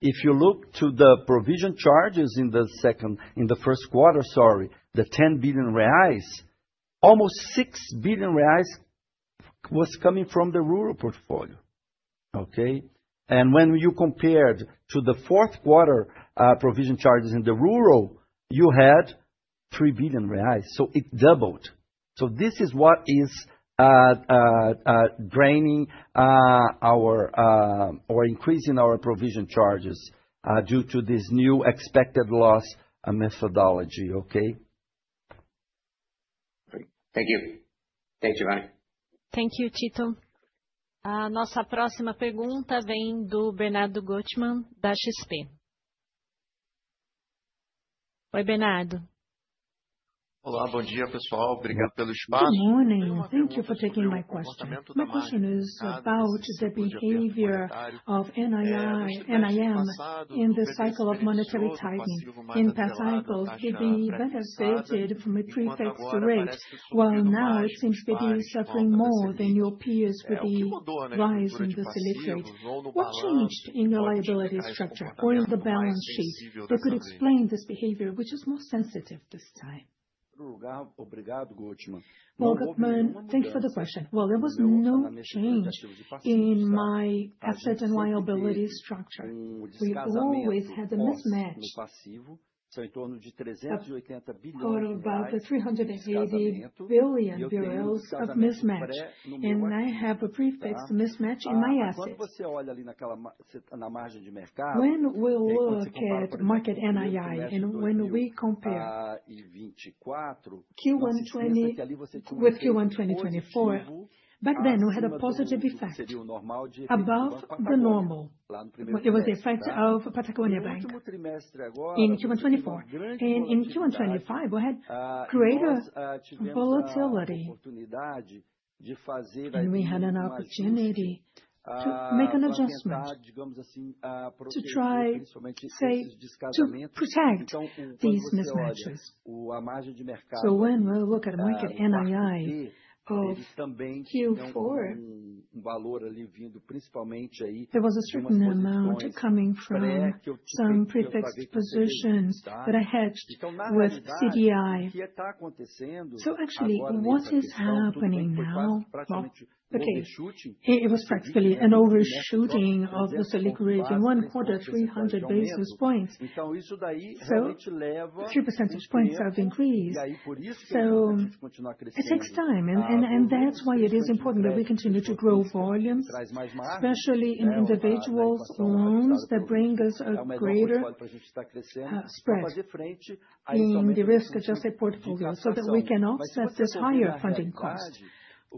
If you look to the provision charges in the first quarter, sorry, the 10 billion reais, almost 6 billion reais was coming from the rural portfolio. Okay. When you compared to the fourth quarter provision charges in the rural, you had 3 billion reais. It doubled. This is what is draining our or increasing our provision charges due to this new expected loss methodology. Okay. Great. Thank you. Thanks, Giovanni. Thank you, Tito. A nossa próxima pergunta vem do Bernardo Gottman, da XP. Oi, Bernardo. Olá, bom dia, pessoal. Obrigado pelo espaço. Good morning. Thank you for taking my question. My question is about the behavior of NII, NIM, in the cycle of monetary tightening. In past cycles, it could be benefited from a prefixed rate, while now it seems to be suffering more than your peers with the rise in the SELIC rate. What changed in your liability structure or in the balance sheet that could explain this behavior, which is more sensitive this time? Gottman, thank you for the question. There was no change in my asset and liability structure. We've always had a mismatch or about 380 billion BRL of mismatch, and I have a prefixed mismatch in my assets. When we look at market NII and when we compare Q1 2024, back then we had a positive effect above the normal. It was the effect of Patagonia Bank in Q1 2024. In Q1 2025, we had created a volatility. We had an opportunity to make an adjustment to try to protect these mismatches. When we look at market NII of Q4, there was a certain amount coming from some prefixed positions that I had with CDI. Actually, what is happening now? It was practically an overshooting of the SELIC rate in one quarter, 300 basis points. So 3 percentage points have increased. It takes time, and that is why it is important that we continue to grow volumes, especially in individual loans that bring us a greater spread in the risk-adjusted portfolio so that we can offset this higher funding cost,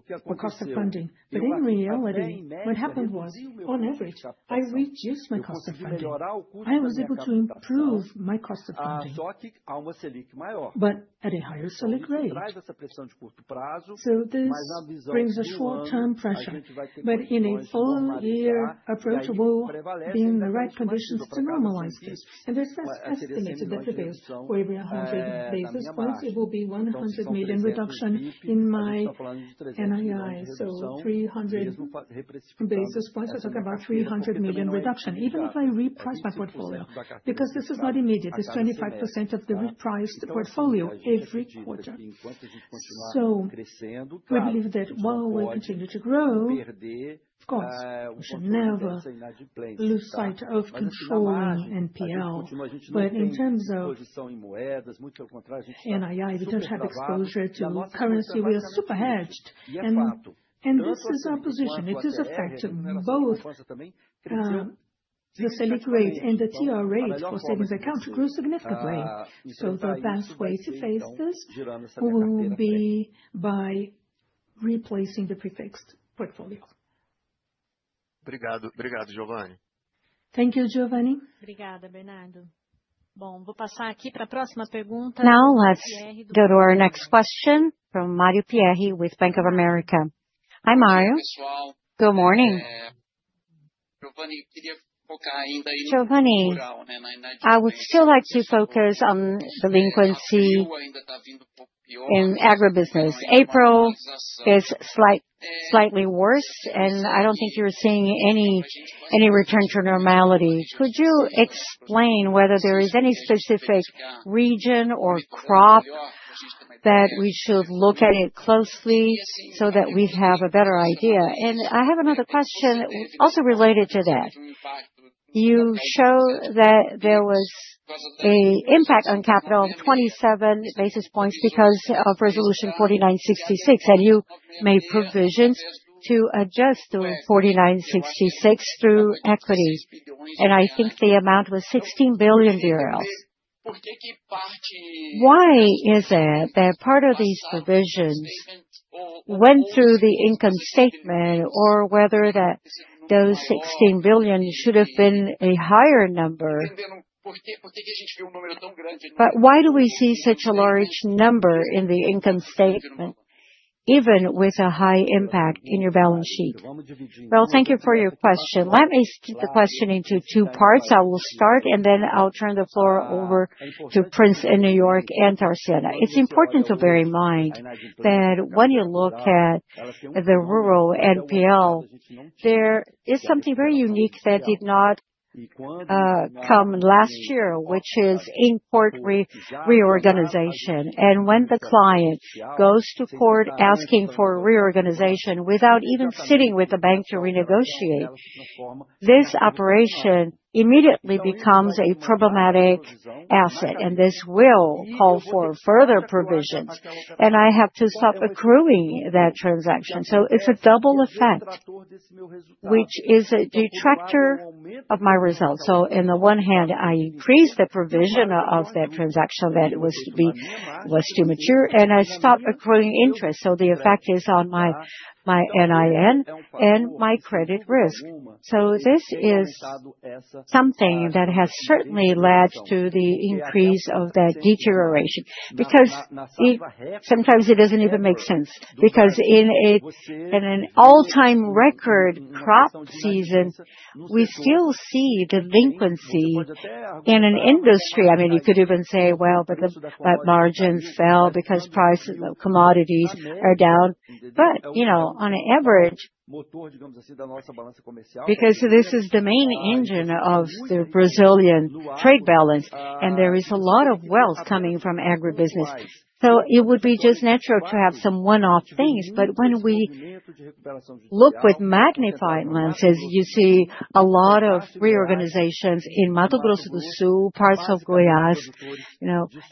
the cost of funding. In reality, what happened was, on average, I reduced my cost of funding. I was able to improve my cost of funding, but at a higher SELIC rate. This brings a short-term pressure. In a full-year approach, we will be in the right conditions to normalize this. There is this estimate that for every 100 basis points, it will be a 100 million reduction in my NII. For 300 basis points, we are talking about a 300 million reduction, even if I reprice my portfolio, because this is not immediate. It is 25% of the repriced portfolio every quarter. We believe that while we continue to grow, of course, we should never lose sight of controlling NPL. In terms of NII, we do not have exposure to currency. We are super hedged. This is our position. It is effective. Both the SELIC rate and the TR rate for savings accounts grew significantly. The best way to face this will be by replacing the prefixed portfolio. Thank you, Giovanni. Obrigada, Bernardo. Bom, vou passar aqui para a próxima pergunta. Now let's go to our next question from Mario Pierri with Bank of America. Hi, Mario. Good morning. Giovanni, I would still like to focus on delinquency in agribusiness. April is slightly worse, and I don't think you're seeing any return to normality. Could you explain whether there is any specific region or crop that we should look at it closely so that we have a better idea? I have another question also related to that. You showed that there was an impact on capital of 27 basis points because of Resolution 4966, and you made provisions to adjust the 4966 through equity. I think the amount was BRL 16 billion. Why is it that part of these provisions went through the income statement, or whether those 16 billion should have been a higher number? Why do we see such a large number in the income statement, even with a high impact in your balance sheet? Thank you for your question. Let me split the question into two parts. I will start, and then I'll turn the floor over to Prince in New York and Tarciana. It's important to bear in mind that when you look at the rural NPL, there is something very unique that did not come last year, which is in court reorganization. When the client goes to court asking for reorganization without even sitting with the bank to renegotiate, this operation immediately becomes a problematic asset, and this will call for further provisions. I have to stop accruing that transaction. It's a double effect, which is a detractor of my results. On the one hand, I increased the provision of that transaction that was too mature, and I stopped accruing interest. The effect is on my NII and my credit risk. This is something that has certainly led to the increase of that deterioration because sometimes it does not even make sense. In an all-time record crop season, we still see delinquency in an industry. I mean, you could even say, well, the margins fell because prices of commodities are down. You know, on average, because this is the main engine of the Brazilian trade balance, and there is a lot of wealth coming from agribusiness. It would be just natural to have some one-off things. When we look with magnified lenses, you see a lot of reorganizations in Mato Grosso do Sul, parts of Goiás,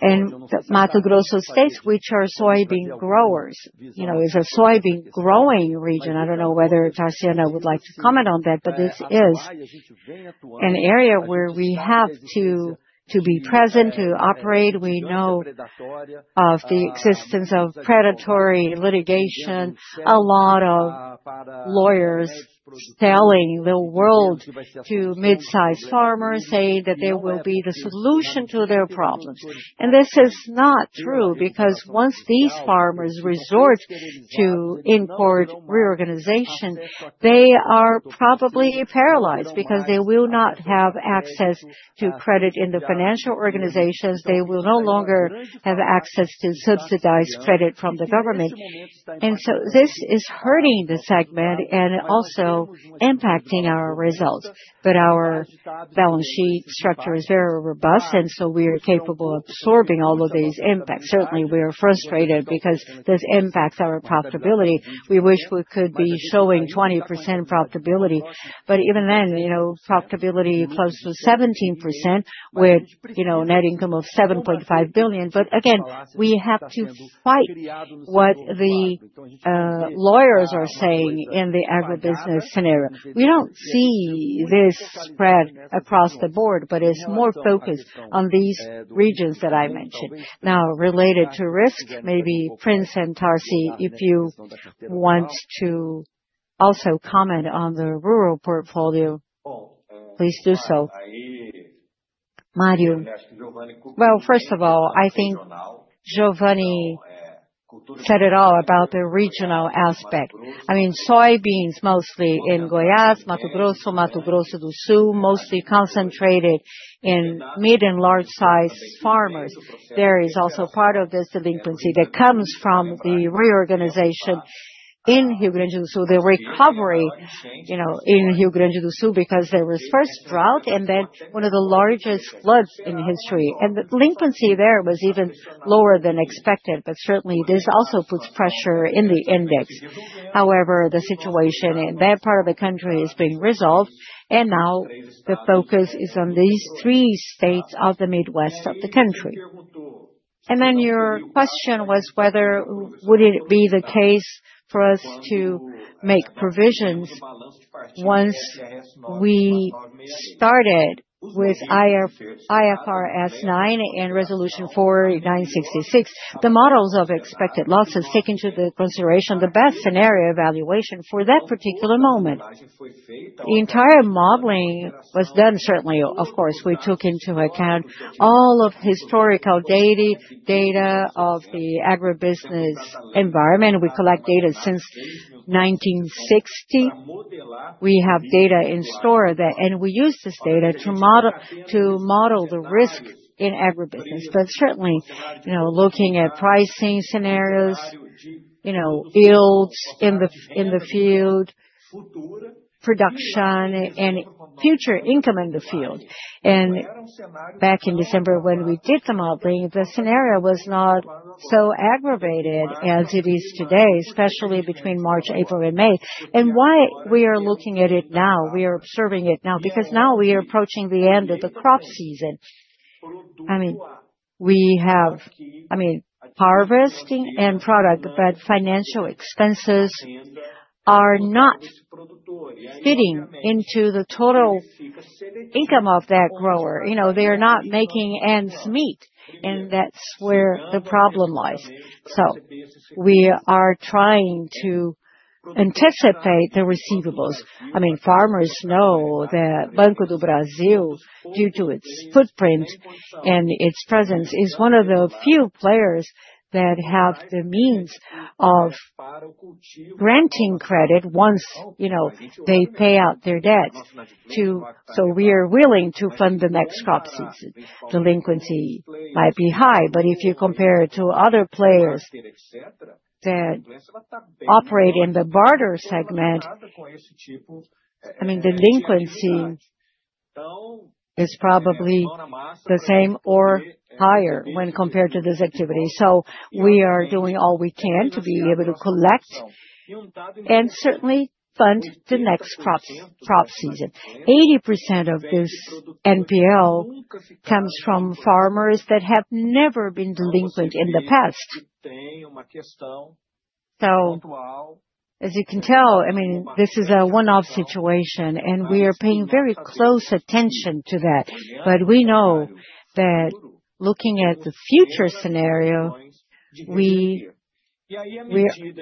and Mato Grosso states, which are soybean growers. You know, it's a soybean-growing region. I don't know whether Tarciana would like to comment on that, but this is an area where we have to be present to operate. We know of the existence of predatory litigation, a lot of lawyers selling the world to mid-sized farmers saying that they will be the solution to their problems. This is not true because once these farmers resort to in court reorganization, they are probably paralyzed because they will not have access to credit in the financial organizations. They will no longer have access to subsidized credit from the government. This is hurting the segment and also impacting our results. Our balance sheet structure is very robust, and so we are capable of absorbing all of these impacts. Certainly, we are frustrated because this impacts our profitability. We wish we could be showing 20% profitability, but even then, you know, profitability close to 17% with, you know, net income of 7.5 billion. Again, we have to fight what the lawyers are saying in the agribusiness scenario. We do not see this spread across the board, but it is more focused on these regions that I mentioned. Now, related to risk, maybe Prince and Tarsi, if you want to also comment on the rural portfolio, please do so. Mario. First of all, I think Giovanni said it all about the regional aspect. I mean, soybeans mostly in Goiás, Mato Grosso, Mato Grosso do Sul, mostly concentrated in mid and large-sized farmers. There is also part of this delinquency that comes from the reorganization in Rio Grande do Sul, the recovery, you know, in Rio Grande do Sul because there was first drought and then one of the largest floods in history. The delinquency there was even lower than expected, but certainly this also puts pressure in the index. However, the situation in that part of the country is being resolved, and now the focus is on these three states of the Midwest of the country. Your question was whether would it be the case for us to make provisions once we started with IFRS 9 and Resolution 4966, the models of expected losses taken into consideration, the best scenario evaluation for that particular moment. The entire modeling was done, certainly, of course, we took into account all of historical data of the agribusiness environment. We collect data since 1960. We have data in store that, and we use this data to model the risk in agribusiness. But certainly, you know, looking at pricing scenarios, you know, yields in the field, production, and future income in the field. And back in December, when we did the modeling, the scenario was not so aggravated as it is today, especially between March, April, and May. And why we are looking at it now, we are observing it now, because now we are approaching the end of the crop season. I mean, we have, I mean, harvesting and product, but financial expenses are not fitting into the total income of that grower. You know, they are not making ends meet, and that's where the problem lies. So we are trying to anticipate the receivables. I mean, farmers know that Banco do Brasil, due to its footprint and its presence, is one of the few players that have the means of granting credit once, you know, they pay out their debt. We are willing to fund the next crop season. Delinquency might be high, but if you compare it to other players that operate in the barter segment, I mean, delinquency is probably the same or higher when compared to this activity. We are doing all we can to be able to collect and certainly fund the next crop season. 80% of this NPL comes from farmers that have never been delinquent in the past. As you can tell, I mean, this is a one-off situation, and we are paying very close attention to that. We know that looking at the future scenario, we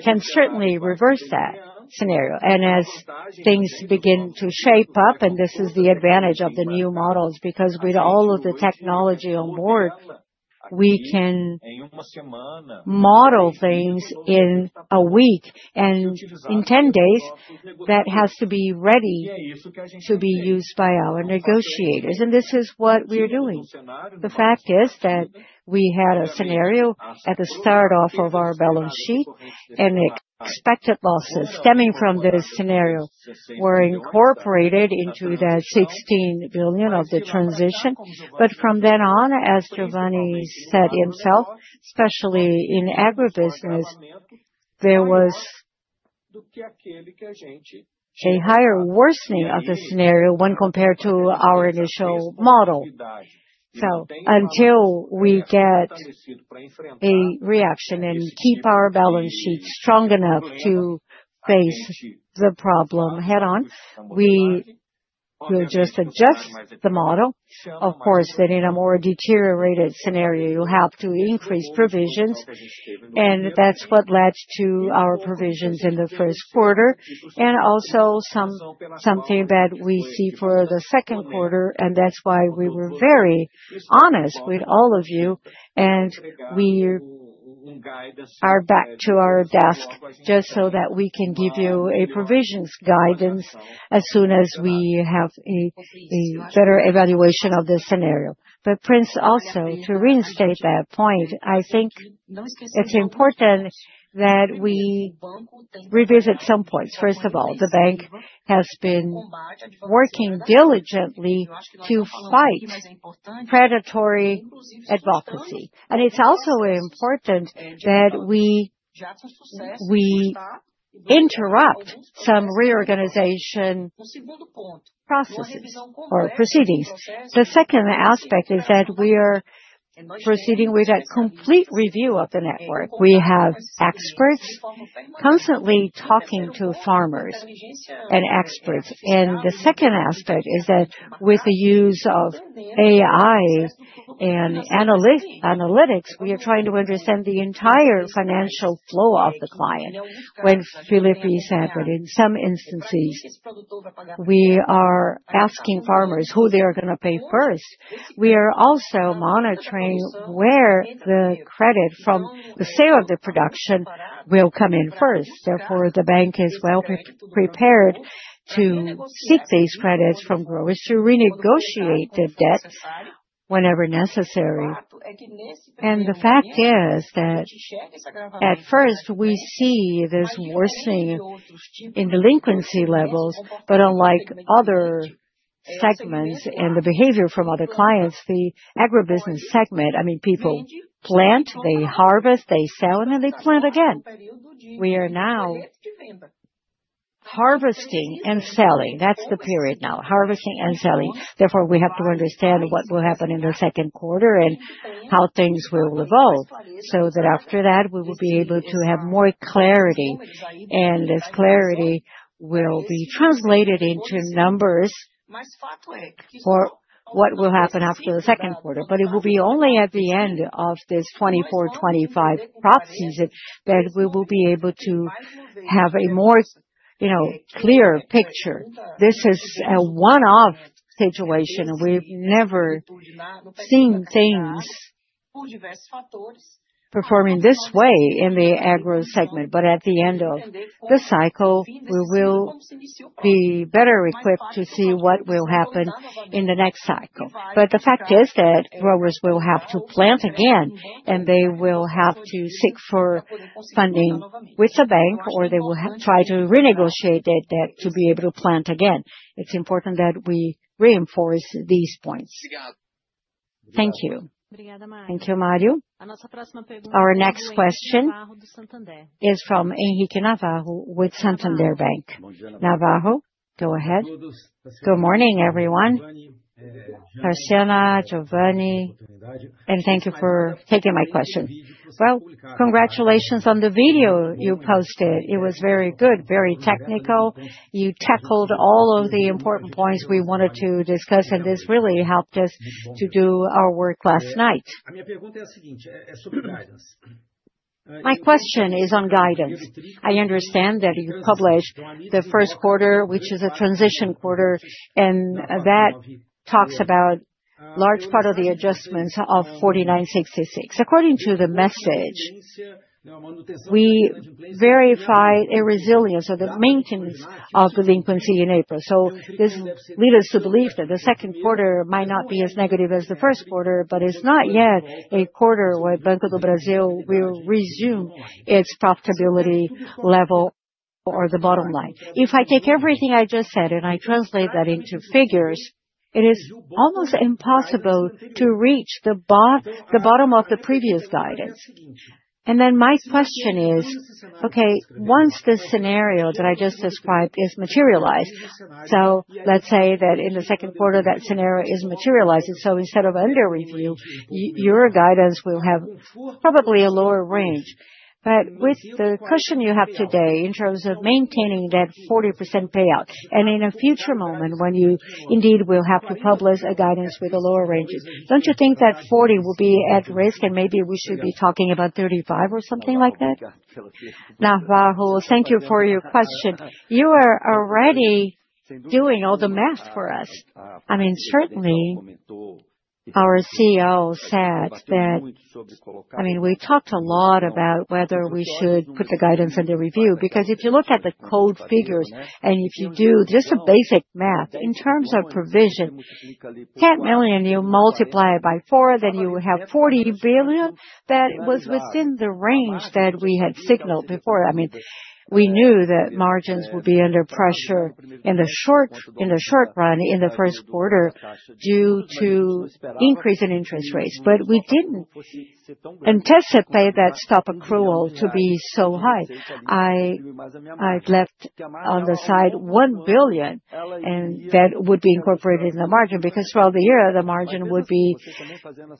can certainly reverse that scenario. As things begin to shape up, and this is the advantage of the new models, because with all of the technology on board, we can model things in a week, and in 10 days, that has to be ready to be used by our negotiators. This is what we are doing. The fact is that we had a scenario at the start of our balance sheet, and the expected losses stemming from this scenario were incorporated into that 16 billion of the transition. From then on, as Giovanni said himself, especially in agribusiness, there was a higher worsening of the scenario when compared to our initial model. Until we get a reaction and keep our balance sheet strong enough to face the problem head-on, we will just adjust the model. Of course, then in a more deteriorated scenario, you have to increase provisions, and that is what led to our provisions in the first quarter, and also something that we see for the second quarter. That is why we were very honest with all of you, and we are back to our desk just so that we can give you a provisions guidance as soon as we have a better evaluation of this scenario. Prince, also to reinstate that point, I think it is important that we revisit some points. First of all, the bank has been working diligently to fight predatory advocacy. It is also important that we interrupt some reorganization processes or proceedings. The second aspect is that we are proceeding with a complete review of the network. We have experts constantly talking to farmers and experts. The second aspect is that with the use of AI and analytics, we are trying to understand the entire financial flow of the client. When Felipe said that in some instances, we are asking farmers who they are going to pay first, we are also monitoring where the credit from the sale of the production will come in first. Therefore, the bank is well prepared to seek these credits from growers to renegotiate the debts whenever necessary. The fact is that at first, we see this worsening in delinquency levels, but unlike other segments and the behavior from other clients, the agribusiness segment, I mean, people plant, they harvest, they sell, and then they plant again. We are now harvesting and selling. That is the period now, harvesting and selling. Therefore, we have to understand what will happen in the second quarter and how things will evolve so that after that, we will be able to have more clarity, and this clarity will be translated into numbers for what will happen after the second quarter. It will be only at the end of this 2024-2025 crop season that we will be able to have a more, you know, clear picture. This is a one-off situation. We've never seen things performing this way in the agro segment. At the end of the cycle, we will be better equipped to see what will happen in the next cycle. The fact is that growers will have to plant again, and they will have to seek funding with the bank, or they will try to renegotiate that debt to be able to plant again. It's important that we reinforce these points. Thank you. Thank you, Mario. Our next question is from Henrique Navarro with Banco Santander Brasil. Navarro, go ahead. Good morning, everyone. Tarciana, Giovanni, and thank you for taking my question. Congratulations on the video you posted. It was very good, very technical. You tackled all of the important points we wanted to discuss, and this really helped us to do our work last night. My question is on guidance. I understand that you published the first quarter, which is a transition quarter, and that talks about a large part of the adjustments of 4966. According to the message, we verified a resilience or the maintenance of delinquency in April. This leads us to believe that the second quarter might not be as negative as the first quarter, but it is not yet a quarter where Banco do Brasil will resume its profitability level or the bottom line. If I take everything I just said and I translate that into figures, it is almost impossible to reach the bottom of the previous guidance. My question is, okay, once this scenario that I just described is materialized, let's say that in the second quarter, that scenario is materialized. Instead of under review, your guidance will have probably a lower range. With the cushion you have today in terms of maintaining that 40% payout, and in a future moment when you indeed will have to publish a guidance with a lower range, do not you think that 40% will be at risk and maybe we should be talking about 35% or something like that? Navarro, thank you for your question. You are already doing all the math for us. I mean, certainly, our CEO said that, I mean, we talked a lot about whether we should put the guidance under review, because if you look at the core figures and if you do just the basic math, in terms of provision, 10 million, you multiply it by four, then you would have 40 billion that was within the range that we had signaled before. I mean, we knew that margins would be under pressure in the short run in the first quarter due to the increase in interest rates, but we did not anticipate that stop accrual to be so high. I have left on the side 1 billion, and that would be incorporated in the margin because throughout the year, the margin would be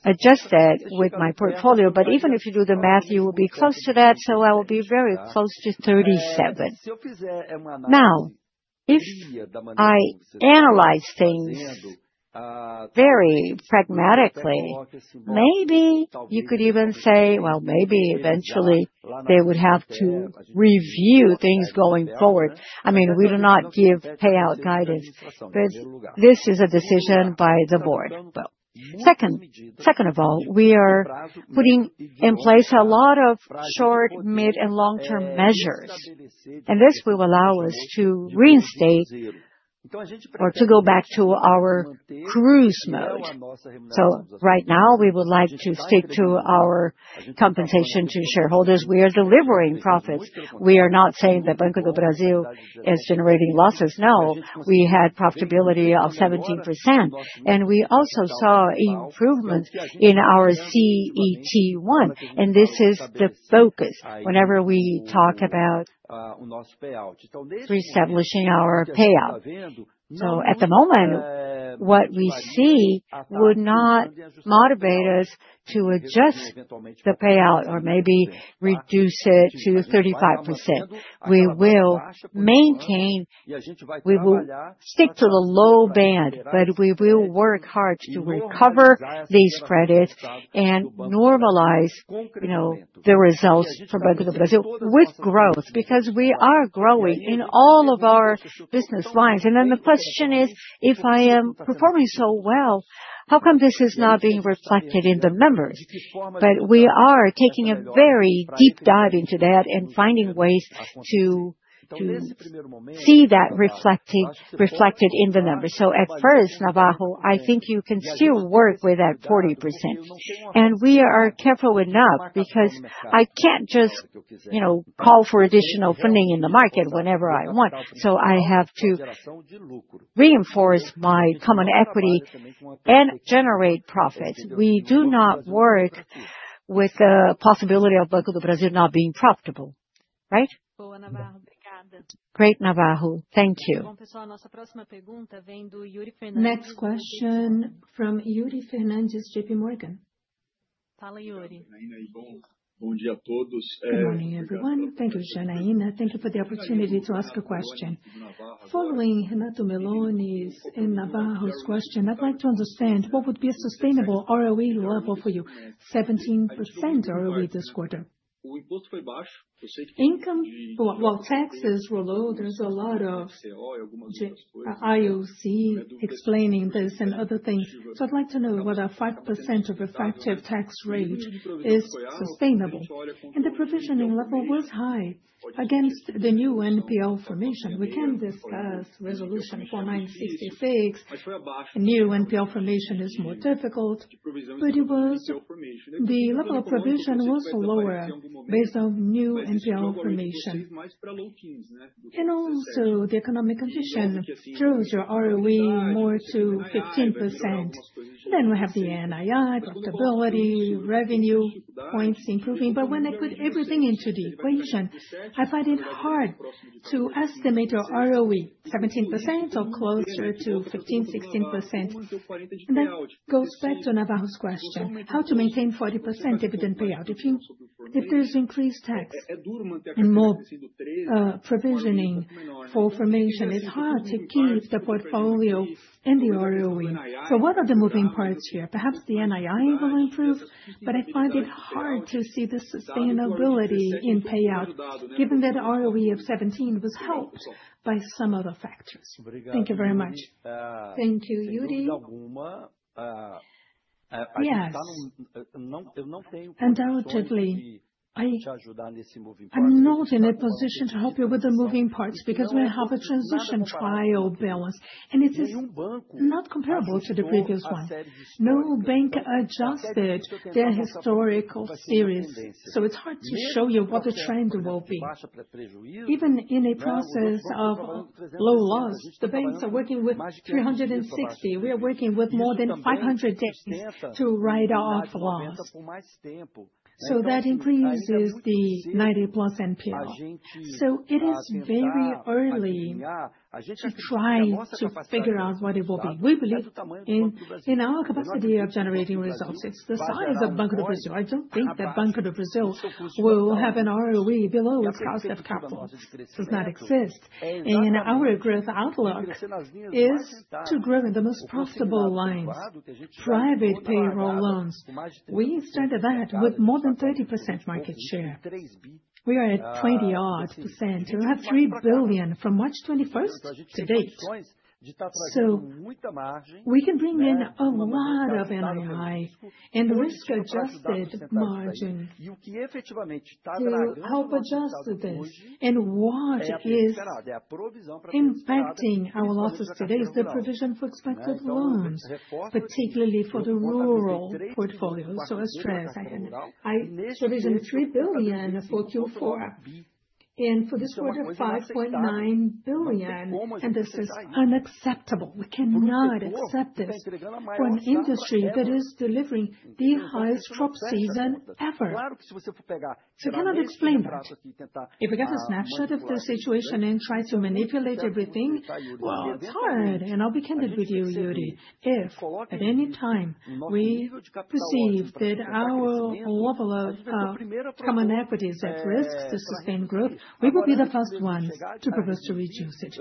adjusted with my portfolio. But even if you do the math, you will be close to that, so I will be very close to 37 billion. Now, if I analyze things very pragmatically, maybe you could even say, well, maybe eventually they would have to review things going forward. I mean, we do not give payout guidance, but this is a decision by the board. Second, second of all, we are putting in place a lot of short, mid, and long-term measures, and this will allow us to reinstate or to go back to our cruise mode. Right now, we would like to stick to our compensation to shareholders. We are delivering profits. We are not saying that Banco do Brasil is generating losses. No, we had profitability of 17%, and we also saw improvements in our CET1, and this is the focus whenever we talk about reestablishing our payout. At the moment, what we see would not motivate us to adjust the payout or maybe reduce it to 35%. We will maintain, we will stick to the low band, but we will work hard to recover these credits and normalize, you know, the results for Banco do Brasil with growth because we are growing in all of our business lines. The question is, if I am performing so well, how come this is not being reflected in the numbers? We are taking a very deep dive into that and finding ways to see that reflected in the numbers. At first, Navarro, I think you can still work with that 40%. We are careful enough because I cannot just, you know, call for additional funding in the market whenever I want. I have to reinforce my common equity and generate profits. We do not work with the possibility of Banco do Brasil not being profitable, right? Great Navarro, thank you. Next question from Yuri Fernandez JP Morgan. Bom dia a todos. Good morning, everyone. Thank you, Janaína. Thank you for the opportunity to ask a question. Following Renato Meloni's and Navarro's question, I'd like to understand what would be a sustainable ROE level for you, 17% ROE this quarter? Income? Taxes were low. There's a lot of IOC explaining this and other things. I'd like to know whether a 5% effective tax rate is sustainable. The provisioning level was high against the new NPL formation. We can discuss resolution 4966. New NPL formation is more difficult, but the level of provision was lower based on new NPL formation. Also, the economic condition drove your ROE more to 15%. We have the NII, profitability, revenue points improving. When I put everything into the equation, I find it hard to estimate your ROE, 17% or closer to 15-16%. That goes back to Navarro's question, how to maintain 40% dividend payout. If there is increased tax and more provisioning for formation, it is hard to keep the portfolio and the ROE. What are the moving parts here? Perhaps the NII will improve, but I find it hard to see the sustainability in payout, given that the ROE of 17% was helped by some other factors. Thank you very much. Thank you, Yuri. Yes. Undoubtedly, I am not in a position to help you with the moving parts because we have a transition trial balance, and it is not comparable to the previous one. No bank adjusted their historical series, so it is hard to show you what the trend will be. Even in a process of low loss, the banks are working with 360. We are working with more than 500 days to write off loss. That increases the 90-plus NPL. It is very early to try to figure out what it will be. We believe in our capacity of generating results. It is the size of Banco do Brasil. I do not think that Banco do Brasil will have an ROE below its cost of capital. It does not exist. Our growth outlook is to grow in the most profitable lines, private payroll loans. We started that with more than 30% market share. We are at 20-odd percent. We have 3 billion from March 21st to date. We can bring in a lot of NII and risk-adjusted margin to help adjust this. What is impacting our losses today is the provision for expected loans, particularly for the rural portfolios. I stress, I provisioned 3 billion for Q4 and for this quarter, 5.9 billion. This is unacceptable. We cannot accept this for an industry that is delivering the highest crop season ever. I cannot explain that. If we get a snapshot of the situation and try to manipulate everything, it is hard. I will be candid with you, Yuri. If at any time we perceive that our level of common equity is at risk to sustain growth, we will be the first ones to propose to reduce it.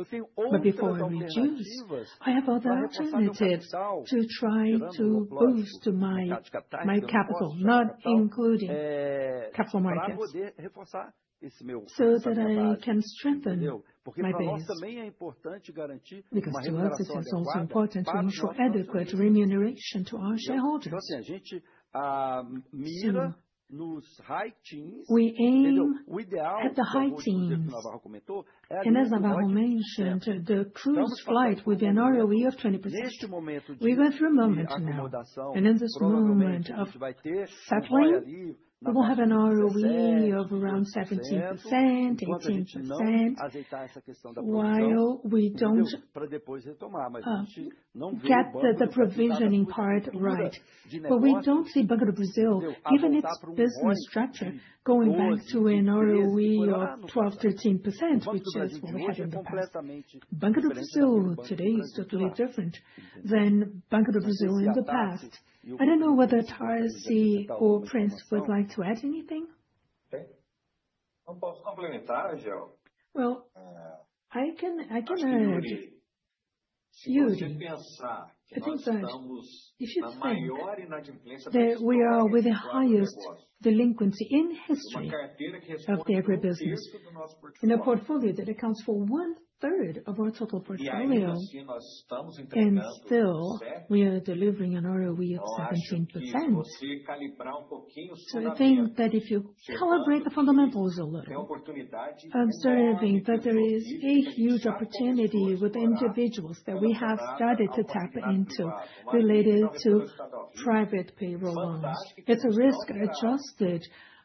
Before I reduce, I have other alternatives to try to boost my capital, not including capital markets, so that I can strengthen my base. To us, it is also important to ensure adequate remuneration to our shareholders. We aim at the high teens. As Navarro mentioned, the cruise flight will be an ROE of 20%. We went through a moment now. In this moment of settling, we will have an ROE of around 17%-18% while we do not get the provisioning part right. We do not see Banco do Brasil, given its business structure, going back to an ROE of 12%-13%, which is what we had in the past. Banco do Brasil today is totally different than Banco do Brasil in the past. I do not know whether Tarciana or Prince would like to add anything. I can add, Yuri, I think that if you think that we are with the highest delinquency in history of the agribusiness, in a portfolio that accounts for one-third of our total portfolio, and still we are delivering an ROE of 17%, I think that if you calibrate the fundamentals a little, I'm observing that there is a huge opportunity with individuals that we have started to tap into related to private payroll loans. It's a risk-adjusted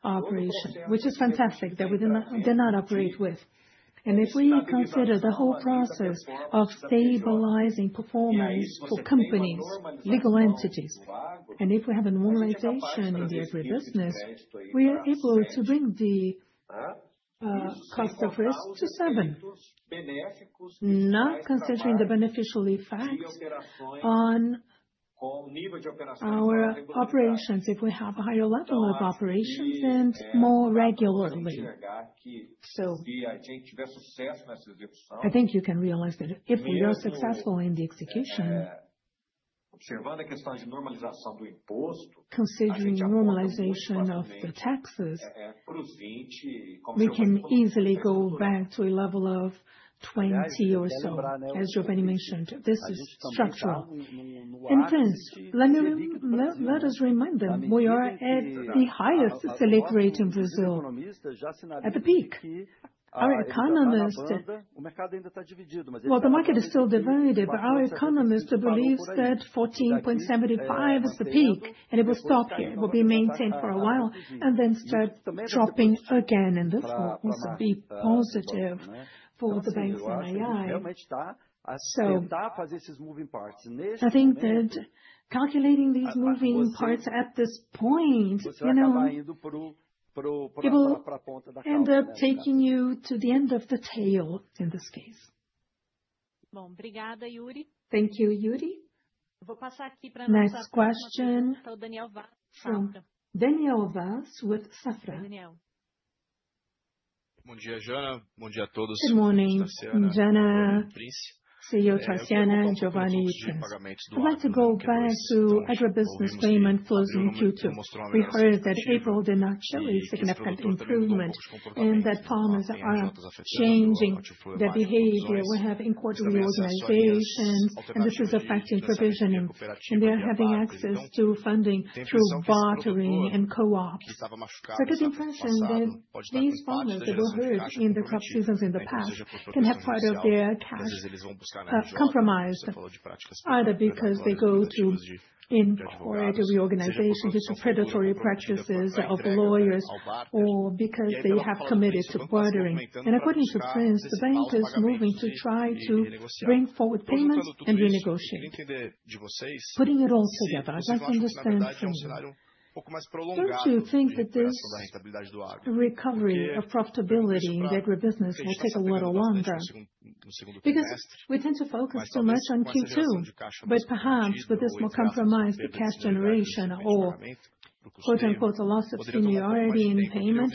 operation, which is fantastic that they're not operating with. If we consider the whole process of stabilizing performance for companies, legal entities, and if we have a normalization in the agribusiness, we are able to bring the cost of risk to seven, not considering the beneficial effect on our operations if we have a higher level of operations and more regularly. I think you can realize that if we are successful in the execution, considering normalization of the taxes, we can easily go back to a level of 20 or so. As Giovanni mentioned, this is structural. And Prince, let us remind them, we are at the highest SELIC rate in Brazil, at the peak. Our economist—the market is still divided, but our economist believes that 14.75% is the peak, and it will stop here. It will be maintained for a while and then start dropping again. This will also be positive for the banks and NII. I think that calculating these moving parts at this point, you know, it will end up taking you to the end of the tail in this case. Thank you, Yuri. Vou passar aqui para a nossa question. Daniel Vaz, Safra. Daniel Vaz, with Safra. Bom dia, Jana. Bom dia a todos. Good morning, Jana. Prince. CEO Tarciana, Giovanni Prince. I'd like to go back to agribusiness payment flows in Q2. We heard that April did not show a significant improvement and that farmers are changing their behavior. We have inquiry organizations, and this is affecting provisioning. They are having access to funding through bartering and co-ops. I get the impression that these farmers that were hurt in the crop seasons in the past can have part of their cash compromised, either because they go to inquiry to reorganization, due to predatory practices of lawyers, or because they have committed to bartering. According to Prince, the bank is moving to try to bring forward payments and renegotiate. Putting it all together, I'd like to understand things. Don't you think that this recovery of profitability in the agribusiness will take a little longer? Because we tend to focus too much on Q2, but perhaps with this more compromised cash generation or "loss of seniority in payment,"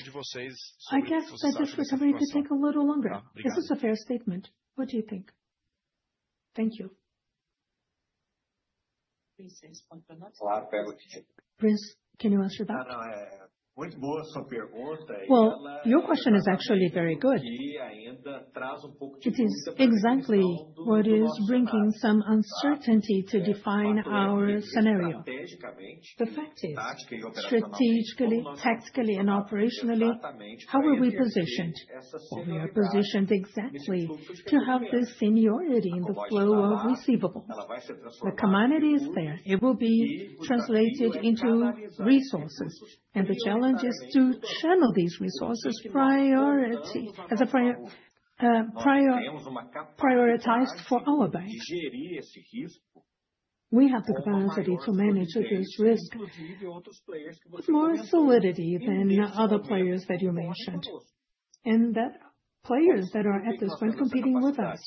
I guess that this recovery could take a little longer. Is this a fair statement? What do you think? Thank you. Prince, can you answer that? Your question is actually very good. It is exactly what is bringing some uncertainty to define our scenario. The fact is, strategically, tactically, and operationally, how are we positioned? We are positioned exactly to have the seniority in the flow of receivables. The commodity is there. It will be translated into resources. The challenge is to channel these resources prioritized for our banks. We have the capacity to manage this risk with more solidity than other players that you mentioned, and that players that are at this point competing with us.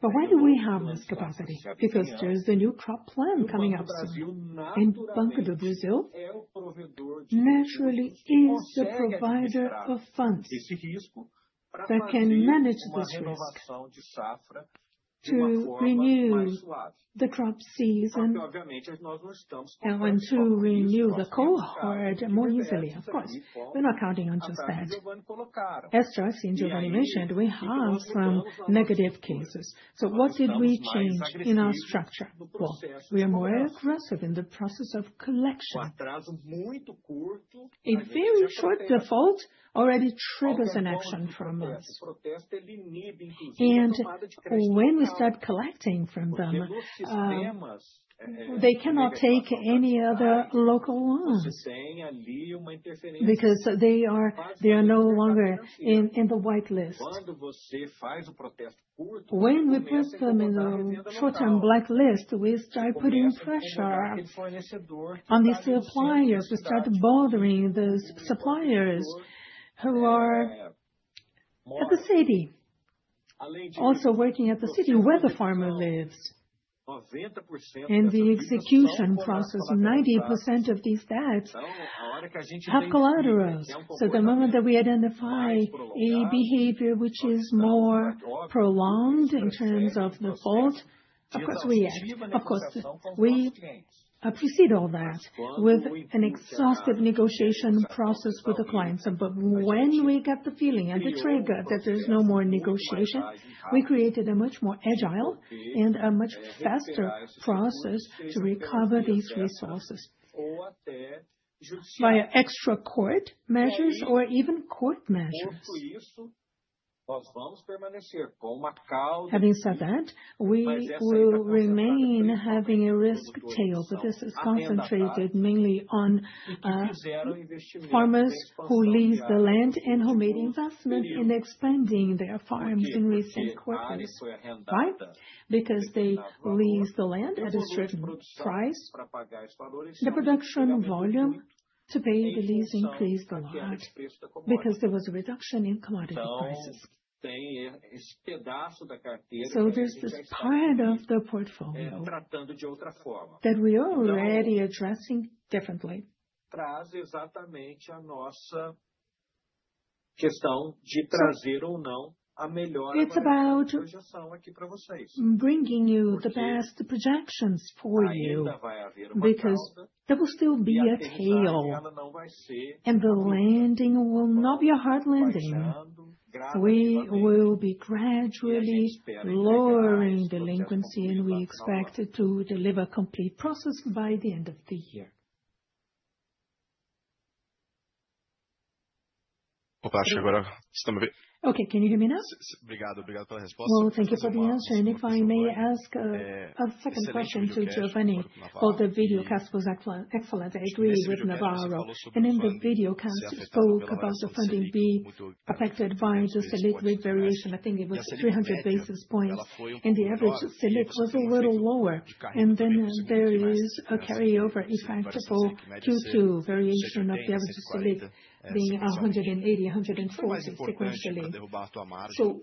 Why do we have this capacity? Because there is the new crop plan coming up soon. And Banco do Brasil naturally is the provider of funds that can manage this risk to renew the crop season and to renew the cohort more easily, of course. We are not counting on just that. As Tarciana and Giovanni mentioned, we have some negative cases. What did we change in our structure? We are more aggressive in the process of collection. A very short default already triggers an action from us. When we start collecting from them, they cannot take any other local loans because they are no longer in the white list. When we put them in the short-term black list, we start putting pressure on the suppliers. We start bothering those suppliers who are at the city, also working at the city where the farmer lives. The execution process, 90% of these debts have collaterals. The moment that we identify a behavior which is more prolonged in terms of default, of course, we act. Of course, we precede all that with an exhaustive negotiation process with the clients. When we get the feeling and the trigger that there is no more negotiation, we created a much more agile and a much faster process to recover these resources via extra court measures or even court measures. Having said that, we will remain having a risk tail, but this is concentrated mainly on farmers who lease the land and who made investment in expanding their farms in recent quarters, right? Because they lease the land at a certain price, the production volume to pay the lease increased a lot because there was a reduction in commodity prices. There is this part of the portfolio that we are already addressing differently. It's about projection for you, bringing you the best projections for you, because there will still be a tail, and the landing will not be a hard landing. We will be gradually lowering delinquency, and we expect to deliver a complete process by the end of the year. Okay, can you hear me now? Thank you for the answer. If I may ask a second question to Giovanni, the video cast was excellent. I agree with Navarro. In the video cast, it spoke about the funding being affected by the SELIC rate variation. I think it was 300 basis points, and the average SELIC was a little lower. There is a carryover effect for Q2 variation of the average SELIC being 180, 140 sequentially.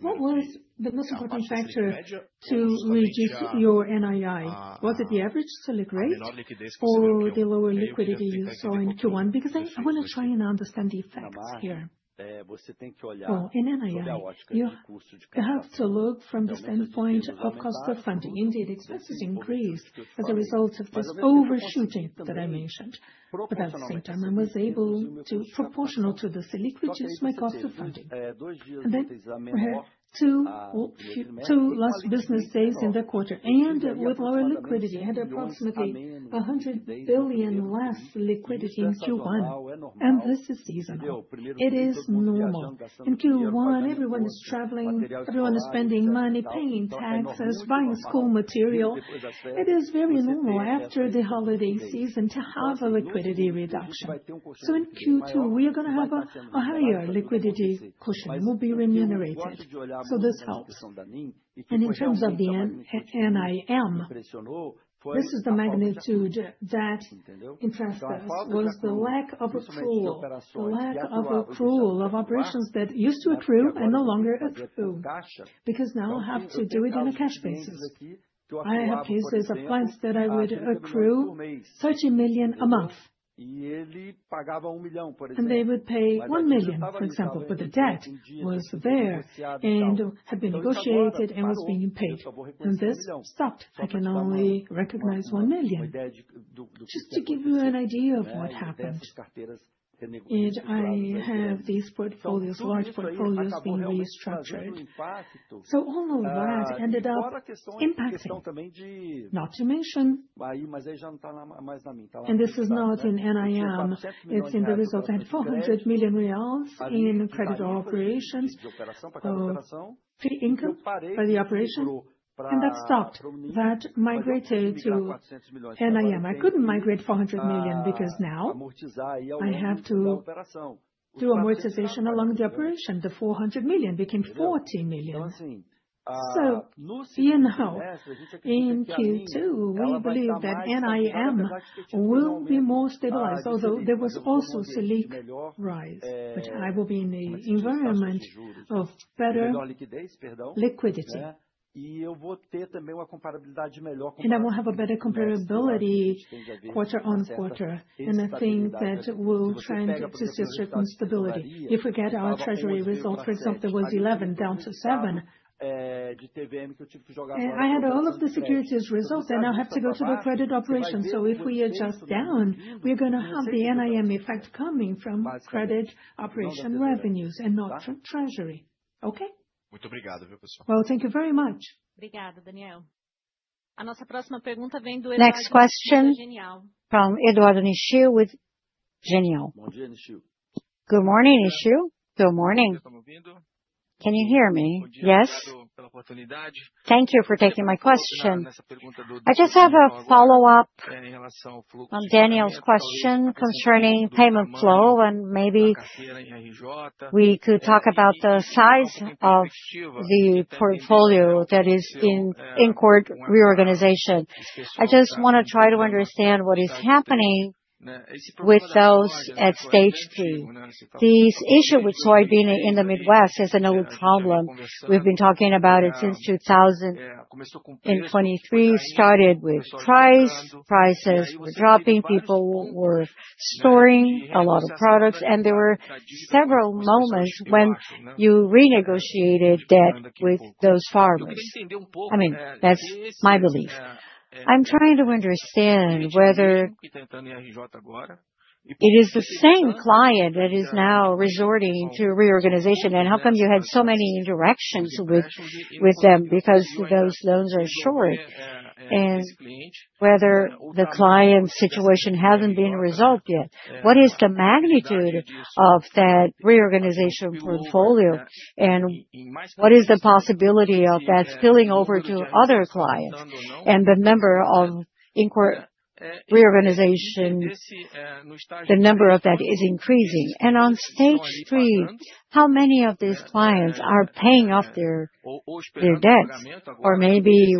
What was the most important factor to reduce your NII? Was it the average SELIC rate or the lower liquidity you saw in Q1? Because I want to try and understand the effects here. In NII, you have to look from the standpoint of cost of funding. Indeed, expenses increased as a result of this overshooting that I mentioned. At the same time, I was able to, proportional to the SELIC rate, reduce my cost of funding. We had two last business days in the quarter, and with lower liquidity, I had approximately 100 billion less liquidity in Q1. This is seasonal. It is normal. In Q1, everyone is traveling, everyone is spending money, paying taxes, buying school material. It is very normal after the holiday season to have a liquidity reduction. In Q2, we are going to have a higher liquidity cushion. We will be remunerated. This helps. In terms of the NIM, this is the magnitude that impressed us. It was the lack of accrual, the lack of accrual of operations that used to accrue and no longer accrue. Because now I have to do it on a cash basis. I have cases of clients that I would accrue 30 million a month, and they would pay 1 million, for example, but the debt was there and had been negotiated and was being paid. This stopped. I can only recognize 1 million. Just to give you an idea of what happened, I have these portfolios, large portfolios being restructured. All of that ended up impacting, not to mention this is not in NIM. It is in the result. I had 400 million reais in credit operations, pre-income by the operation, and that stopped. That migrated to NIM. I could not migrate 400 million because now I have to do amortization along the operation. The 400 million became 40 million. In Q2, we believe that NIM will be more stabilized, although there was also a SELIC rise. I will be in the environment of better liquidity. I will have a better comparability quarter on quarter. I think that we will try and get to a certain stability. If we get our treasury result, for example, that was 11 down to 7, I had all of the securities results, and I have to go to the credit operations. If we adjust down, we are going to have the NIM effect coming from credit operation revenues and not from treasury. Okay? Thank you very much. Obrigado, Daniel. A nossa próxima pergunta vem do Edu. Next question from Eduardo Nichil with Genial. Good morning, Nichil. Good morning. Can you hear me? Yes. Thank you for taking my question. I just have a follow-up from Daniel's question concerning payment flow, and maybe we could talk about the size of the portfolio that is in court reorganization. I just want to try to understand what is happening with those at stage three. This issue with soybean in the Midwest is an old problem. We've been talking about it since 2000. In 2023, it started with prices. Prices were dropping. People were storing a lot of products, and there were several moments when you renegotiated debt with those farmers. I mean, that's my belief. I'm trying to understand whether it is the same client that is now resorting to reorganization, and how come you had so many interactions with them because those loans are short, and whether the client's situation hasn't been resolved yet. What is the magnitude of that reorganization portfolio, and what is the possibility of that spilling over to other clients? The number of reorganizations, the number of that is increasing. On stage three, how many of these clients are paying off their debts or maybe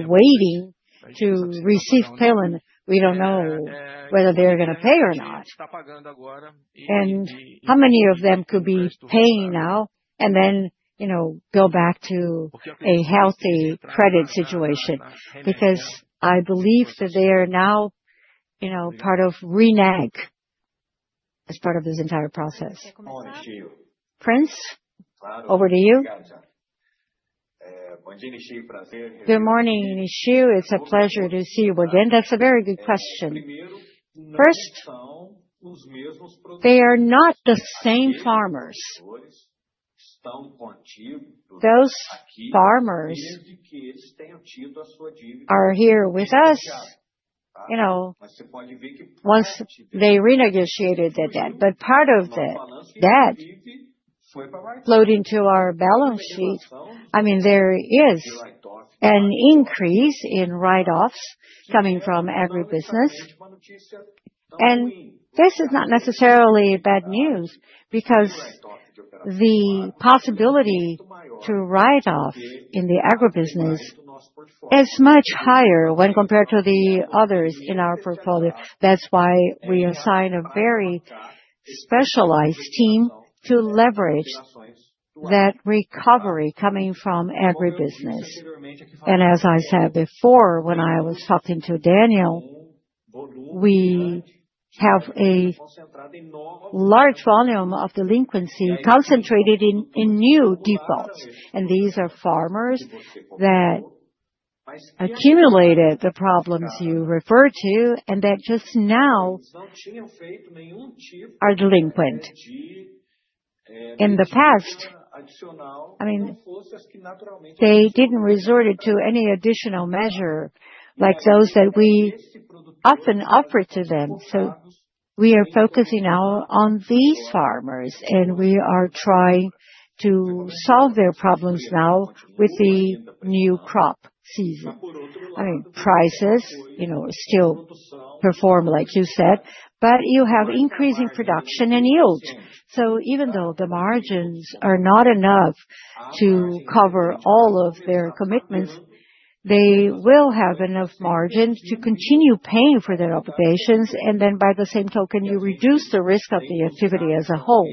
waiting to receive payment? We do not know whether they are going to pay or not. How many of them could be paying now and then go back to a healthy credit situation? I believe that they are now part of Reneg, as part of this entire process. Prince, over to you. Good morning, Nichil. It is a pleasure to see you again. That is a very good question. First, they are not the same farmers. Those farmers are here with us. Once they renegotiated their debt, but part of that debt flowed into our balance sheet. I mean, there is an increase in write-offs coming from agribusiness. This is not necessarily bad news because the possibility to write off in the agribusiness is much higher when compared to the others in our portfolio. That is why we assign a very specialized team to leverage that recovery coming from agribusiness. I said before, when I was talking to Daniel, we have a large volume of delinquency concentrated in new defaults. These are farmers that accumulated the problems you refer to and that just now are delinquent. In the past, I mean, they did not resort to any additional measure like those that we often offered to them. We are focusing now on these farmers, and we are trying to solve their problems now with the new crop season. I mean, prices still perform, like you said, but you have increasing production and yield. Even though the margins are not enough to cover all of their commitments, they will have enough margin to continue paying for their obligations. By the same token, you reduce the risk of the activity as a whole.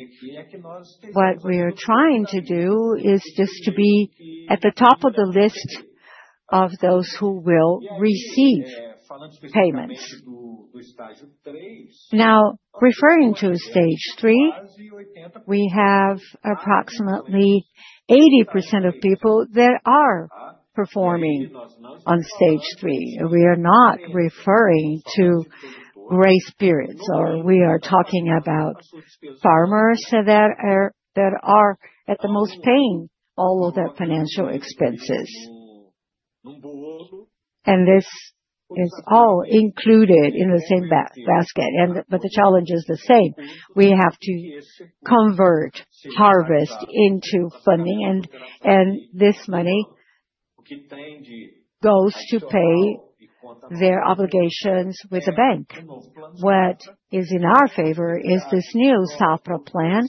What we are trying to do is just to be at the top of the list of those who will receive payments. Now, referring to stage three, we have approximately 80% of people that are performing on stage three. We are not referring to grace periods, we are talking about farmers that are at the most paying all of their financial expenses. This is all included in the same basket. The challenge is the same. We have to convert harvest into funding, and this money goes to pay their obligations with the bank. What is in our favor is this new Crop Plan.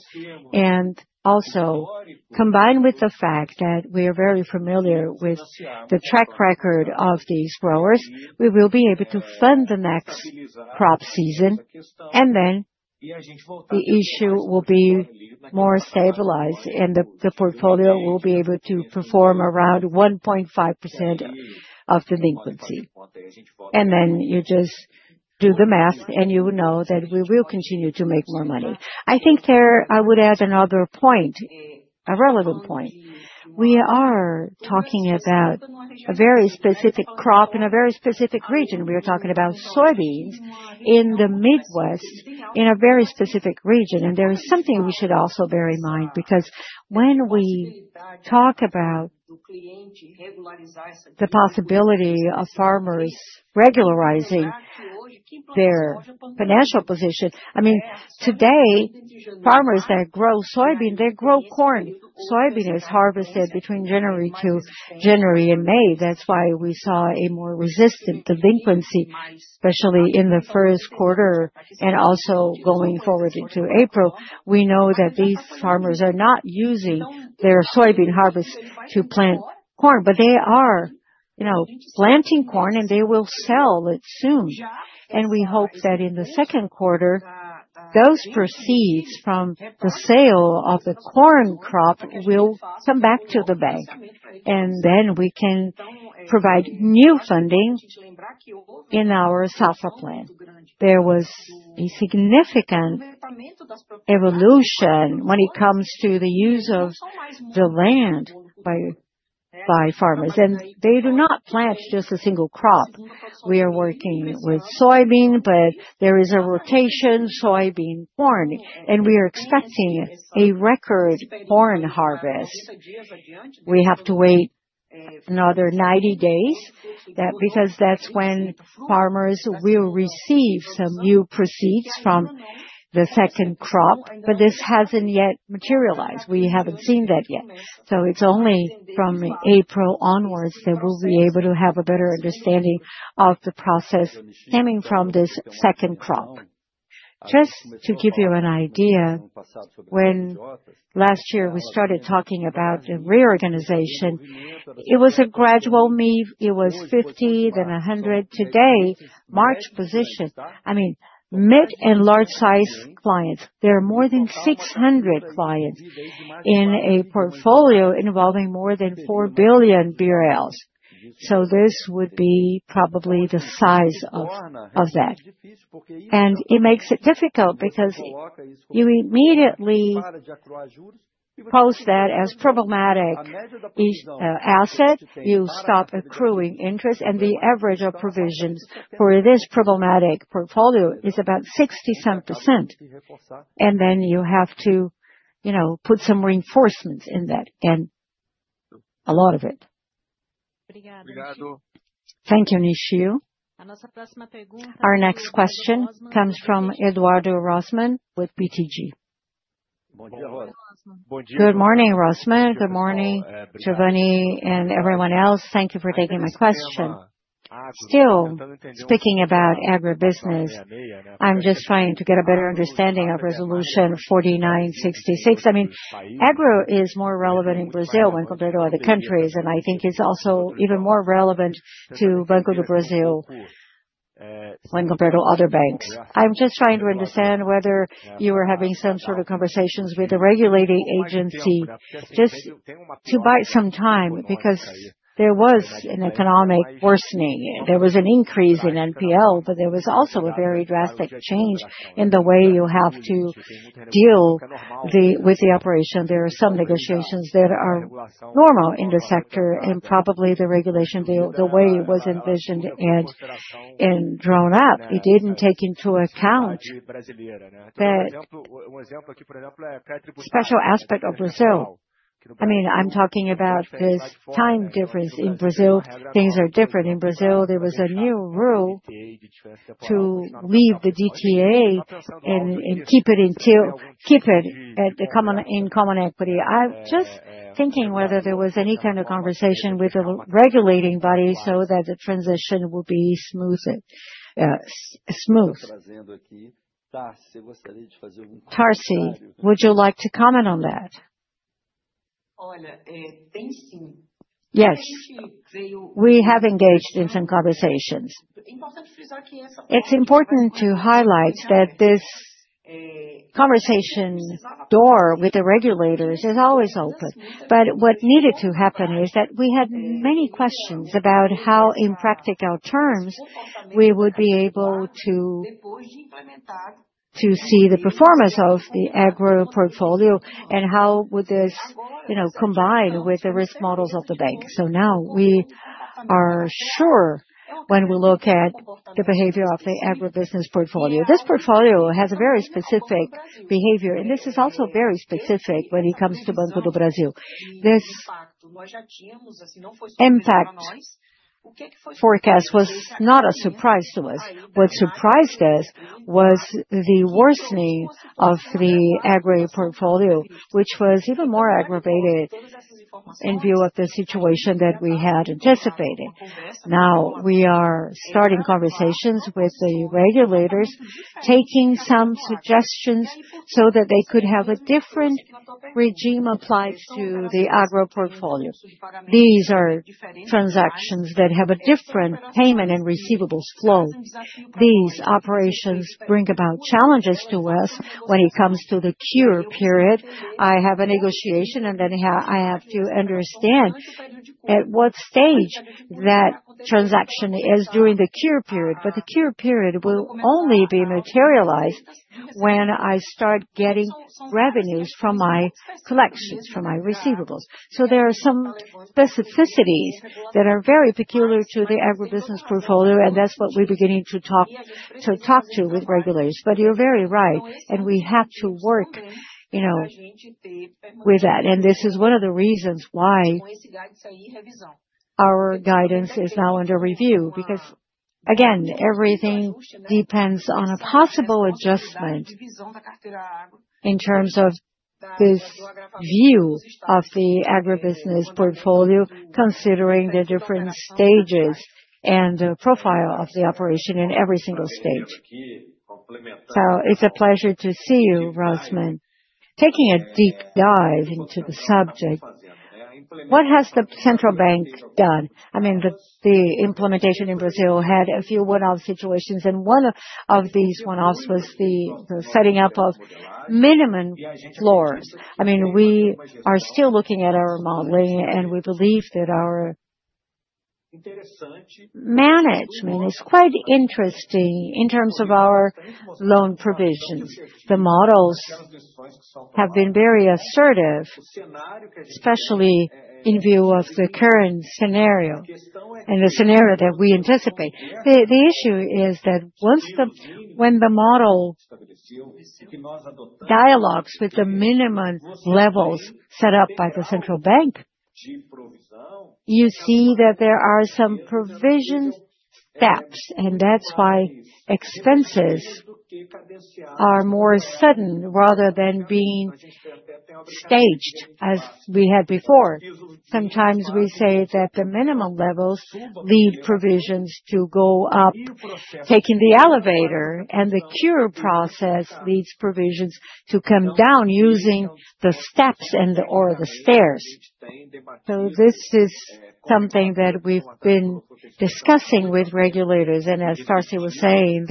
Also, combined with the fact that we are very familiar with the track record of these growers, we will be able to fund the next crop season. The issue will be more stabilized, and the portfolio will be able to perform around 1.5% of delinquency. You just do the math, and you will know that we will continue to make more money. I think there I would add another point, a relevant point. We are talking about a very specific crop in a very specific region. We are talking about soybeans in the Midwest in a very specific region. There is something we should also bear in mind because when we talk about the possibility of farmers regularizing their financial position, I mean, today, farmers that grow soybean, they grow corn. Soybean is harvested between January to January and May. That's why we saw a more resistant delinquency, especially in the first quarter and also going forward into April. We know that these farmers are not using their soybean harvest to plant corn, but they are planting corn, and they will sell it soon. We hope that in the second quarter, those proceeds from the sale of the corn crop will come back to the bank. We can provide new funding in our Crop Plan. There was a significant evolution when it comes to the use of the land by farmers. They do not plant just a single crop. We are working with soybean, but there is a rotation soybean-corn. We are expecting a record corn harvest. We have to wait another 90 days because that's when farmers will receive some new proceeds from the second crop. This has not yet materialized. We haven't seen that yet. It's only from April onwards that we'll be able to have a better understanding of the process stemming from this second crop. Just to give you an idea, when last year we started talking about the reorganization, it was a gradual move. It was 50, then 100. Today, March. Position. I mean, mid and large-sized clients. There are more than 600 clients in a portfolio involving more than 4 billion BRL. This would be probably the size of that. It makes it difficult because you immediately post that as problematic asset. You stop accruing interest, and the average of provisions for this problematic portfolio is about 67%. You have to put some reinforcements in that, and a lot of it. Thank you, Nichil. Our next question comes from Eduardo Rossman with BTG. Good morning, Rossman. Good morning, Giovanni, and everyone else. Thank you for taking my question. Still speaking about agribusiness, I'm just trying to get a better understanding of Resolution 4966. I mean, agro is more relevant in Brazil when compared to other countries, and I think it's also even more relevant to Banco do Brasil when compared to other banks. I'm just trying to understand whether you were having some sort of conversations with the regulating agency just to buy some time because there was an economic worsening. There was an increase in NPL, but there was also a very drastic change in the way you have to deal with the operation. There are some negotiations that are normal in the sector, and probably the regulation, the way it was envisioned and drawn up, it didn't take into account that special aspect of Brazil. I mean, I'm talking about this time difference in Brazil. Things are different. In Brazil, there was a new rule to leave the DTA and keep it in common equity. I'm just thinking whether there was any kind of conversation with the regulating body so that the transition would be smooth. Tarsi, would you like to comment on that? Yes. We have engaged in some conversations. It's important to highlight that this conversation door with the regulators is always open. What needed to happen is that we had many questions about how, in practical terms, we would be able to see the performance of the agro portfolio and how would this combine with the risk models of the bank. Now we are sure when we look at the behavior of the agribusiness portfolio. This portfolio has a very specific behavior, and this is also very specific when it comes to Banco do Brasil. This impact forecast was not a surprise to us. What surprised us was the worsening of the agro portfolio, which was even more aggravated in view of the situation that we had anticipated. Now we are starting conversations with the regulators, taking some suggestions so that they could have a different regime applied to the agro portfolio. These are transactions that have a different payment and receivables flow. These operations bring about challenges to us when it comes to the cure period. I have a negotiation, and then I have to understand at what stage that transaction is during the cure period. The cure period will only be materialized when I start getting revenues from my collections, from my receivables. There are some specificities that are very peculiar to the agribusiness portfolio, and that's what we're beginning to talk to with regulators. You're very right, and we have to work with that. This is one of the reasons why our guidance is now under review because, again, everything depends on a possible adjustment in terms of this view of the agribusiness portfolio, considering the different stages and profile of the operation in every single stage. It's a pleasure to see you, Rossman, taking a deep dive into the subject. What has the central bank done? I mean, the implementation in Brazil had a few one-off situations, and one of these one-offs was the setting up of minimum floors. I mean, we are still looking at our modeling, and we believe that our management is quite interesting in terms of our loan provisions. The models have been very assertive, especially in view of the current scenario and the scenario that we anticipate. The issue is that when the model dialogues with the minimum levels set up by the central bank, you see that there are some provision steps, and that's why expenses are more sudden rather than being staged as we had before. Sometimes we say that the minimum levels lead provisions to go up, taking the elevator, and the cure process leads provisions to come down using the steps or the stairs. This is something that we've been discussing with regulators. As Tarciana was saying,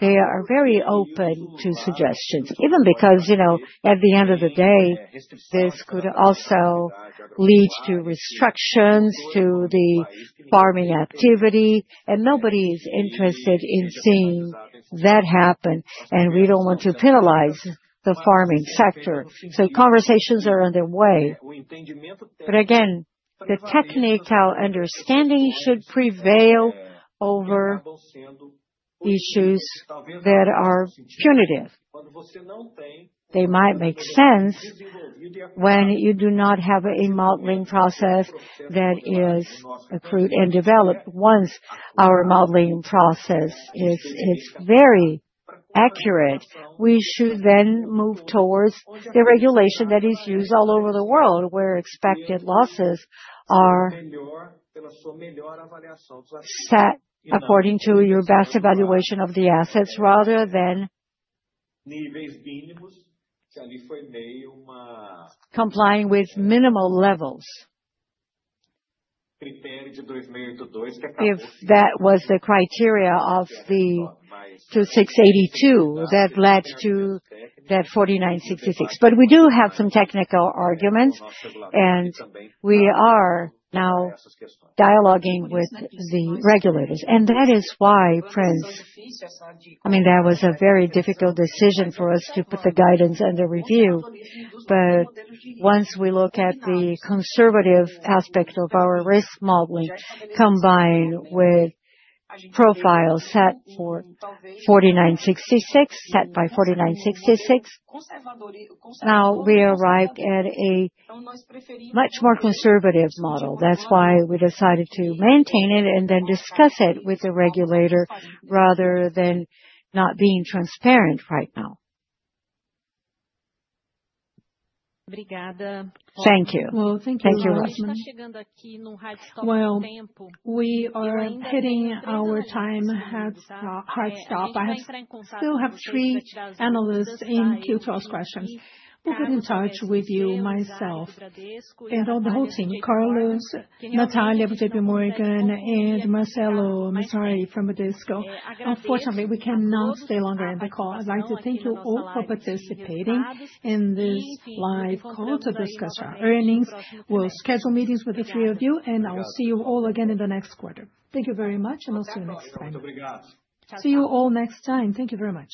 they are very open to suggestions, even because at the end of the day, this could also lead to restrictions to the farming activity. Nobody is interested in seeing that happen, and we don't want to penalize the farming sector. Conversations are underway. Again, the technical understanding should prevail over issues that are punitive. They might make sense when you do not have a modeling process that is accrued and developed. Once our modeling process is very accurate, we should then move towards the regulation that is used all over the world, where expected losses are set according to your best evaluation of the assets rather than complying with minimal levels. If that was the criteria of the 2682, that led to that 4966. We do have some technical arguments, and we are now dialoguing with the regulators. That is why, Prince, I mean, that was a very difficult decision for us to put the guidance under review. Once we look at the conservative aspect of our risk modeling combined with profiles set for 4966, set by 4966, now we arrived at a much more conservative model. That's why we decided to maintain it and then discuss it with the regulator rather than not being transparent right now. Thank you. Thank you, Rossman. We are hitting our time at hard stop. I still have three analysts in queue to ask questions. We'll get in touch with you myself and all the whole team, Carlos, Natalia, JP Morgan, and Marcelo Masari from EDISCO. Unfortunately, we cannot stay longer in the call. I'd like to thank you all for participating in this live call to discuss our earnings. We'll schedule meetings with the three of you, and I will see you all again in the next quarter. Thank you very much, and I'll see you next time. See you all next time. Thank you very much.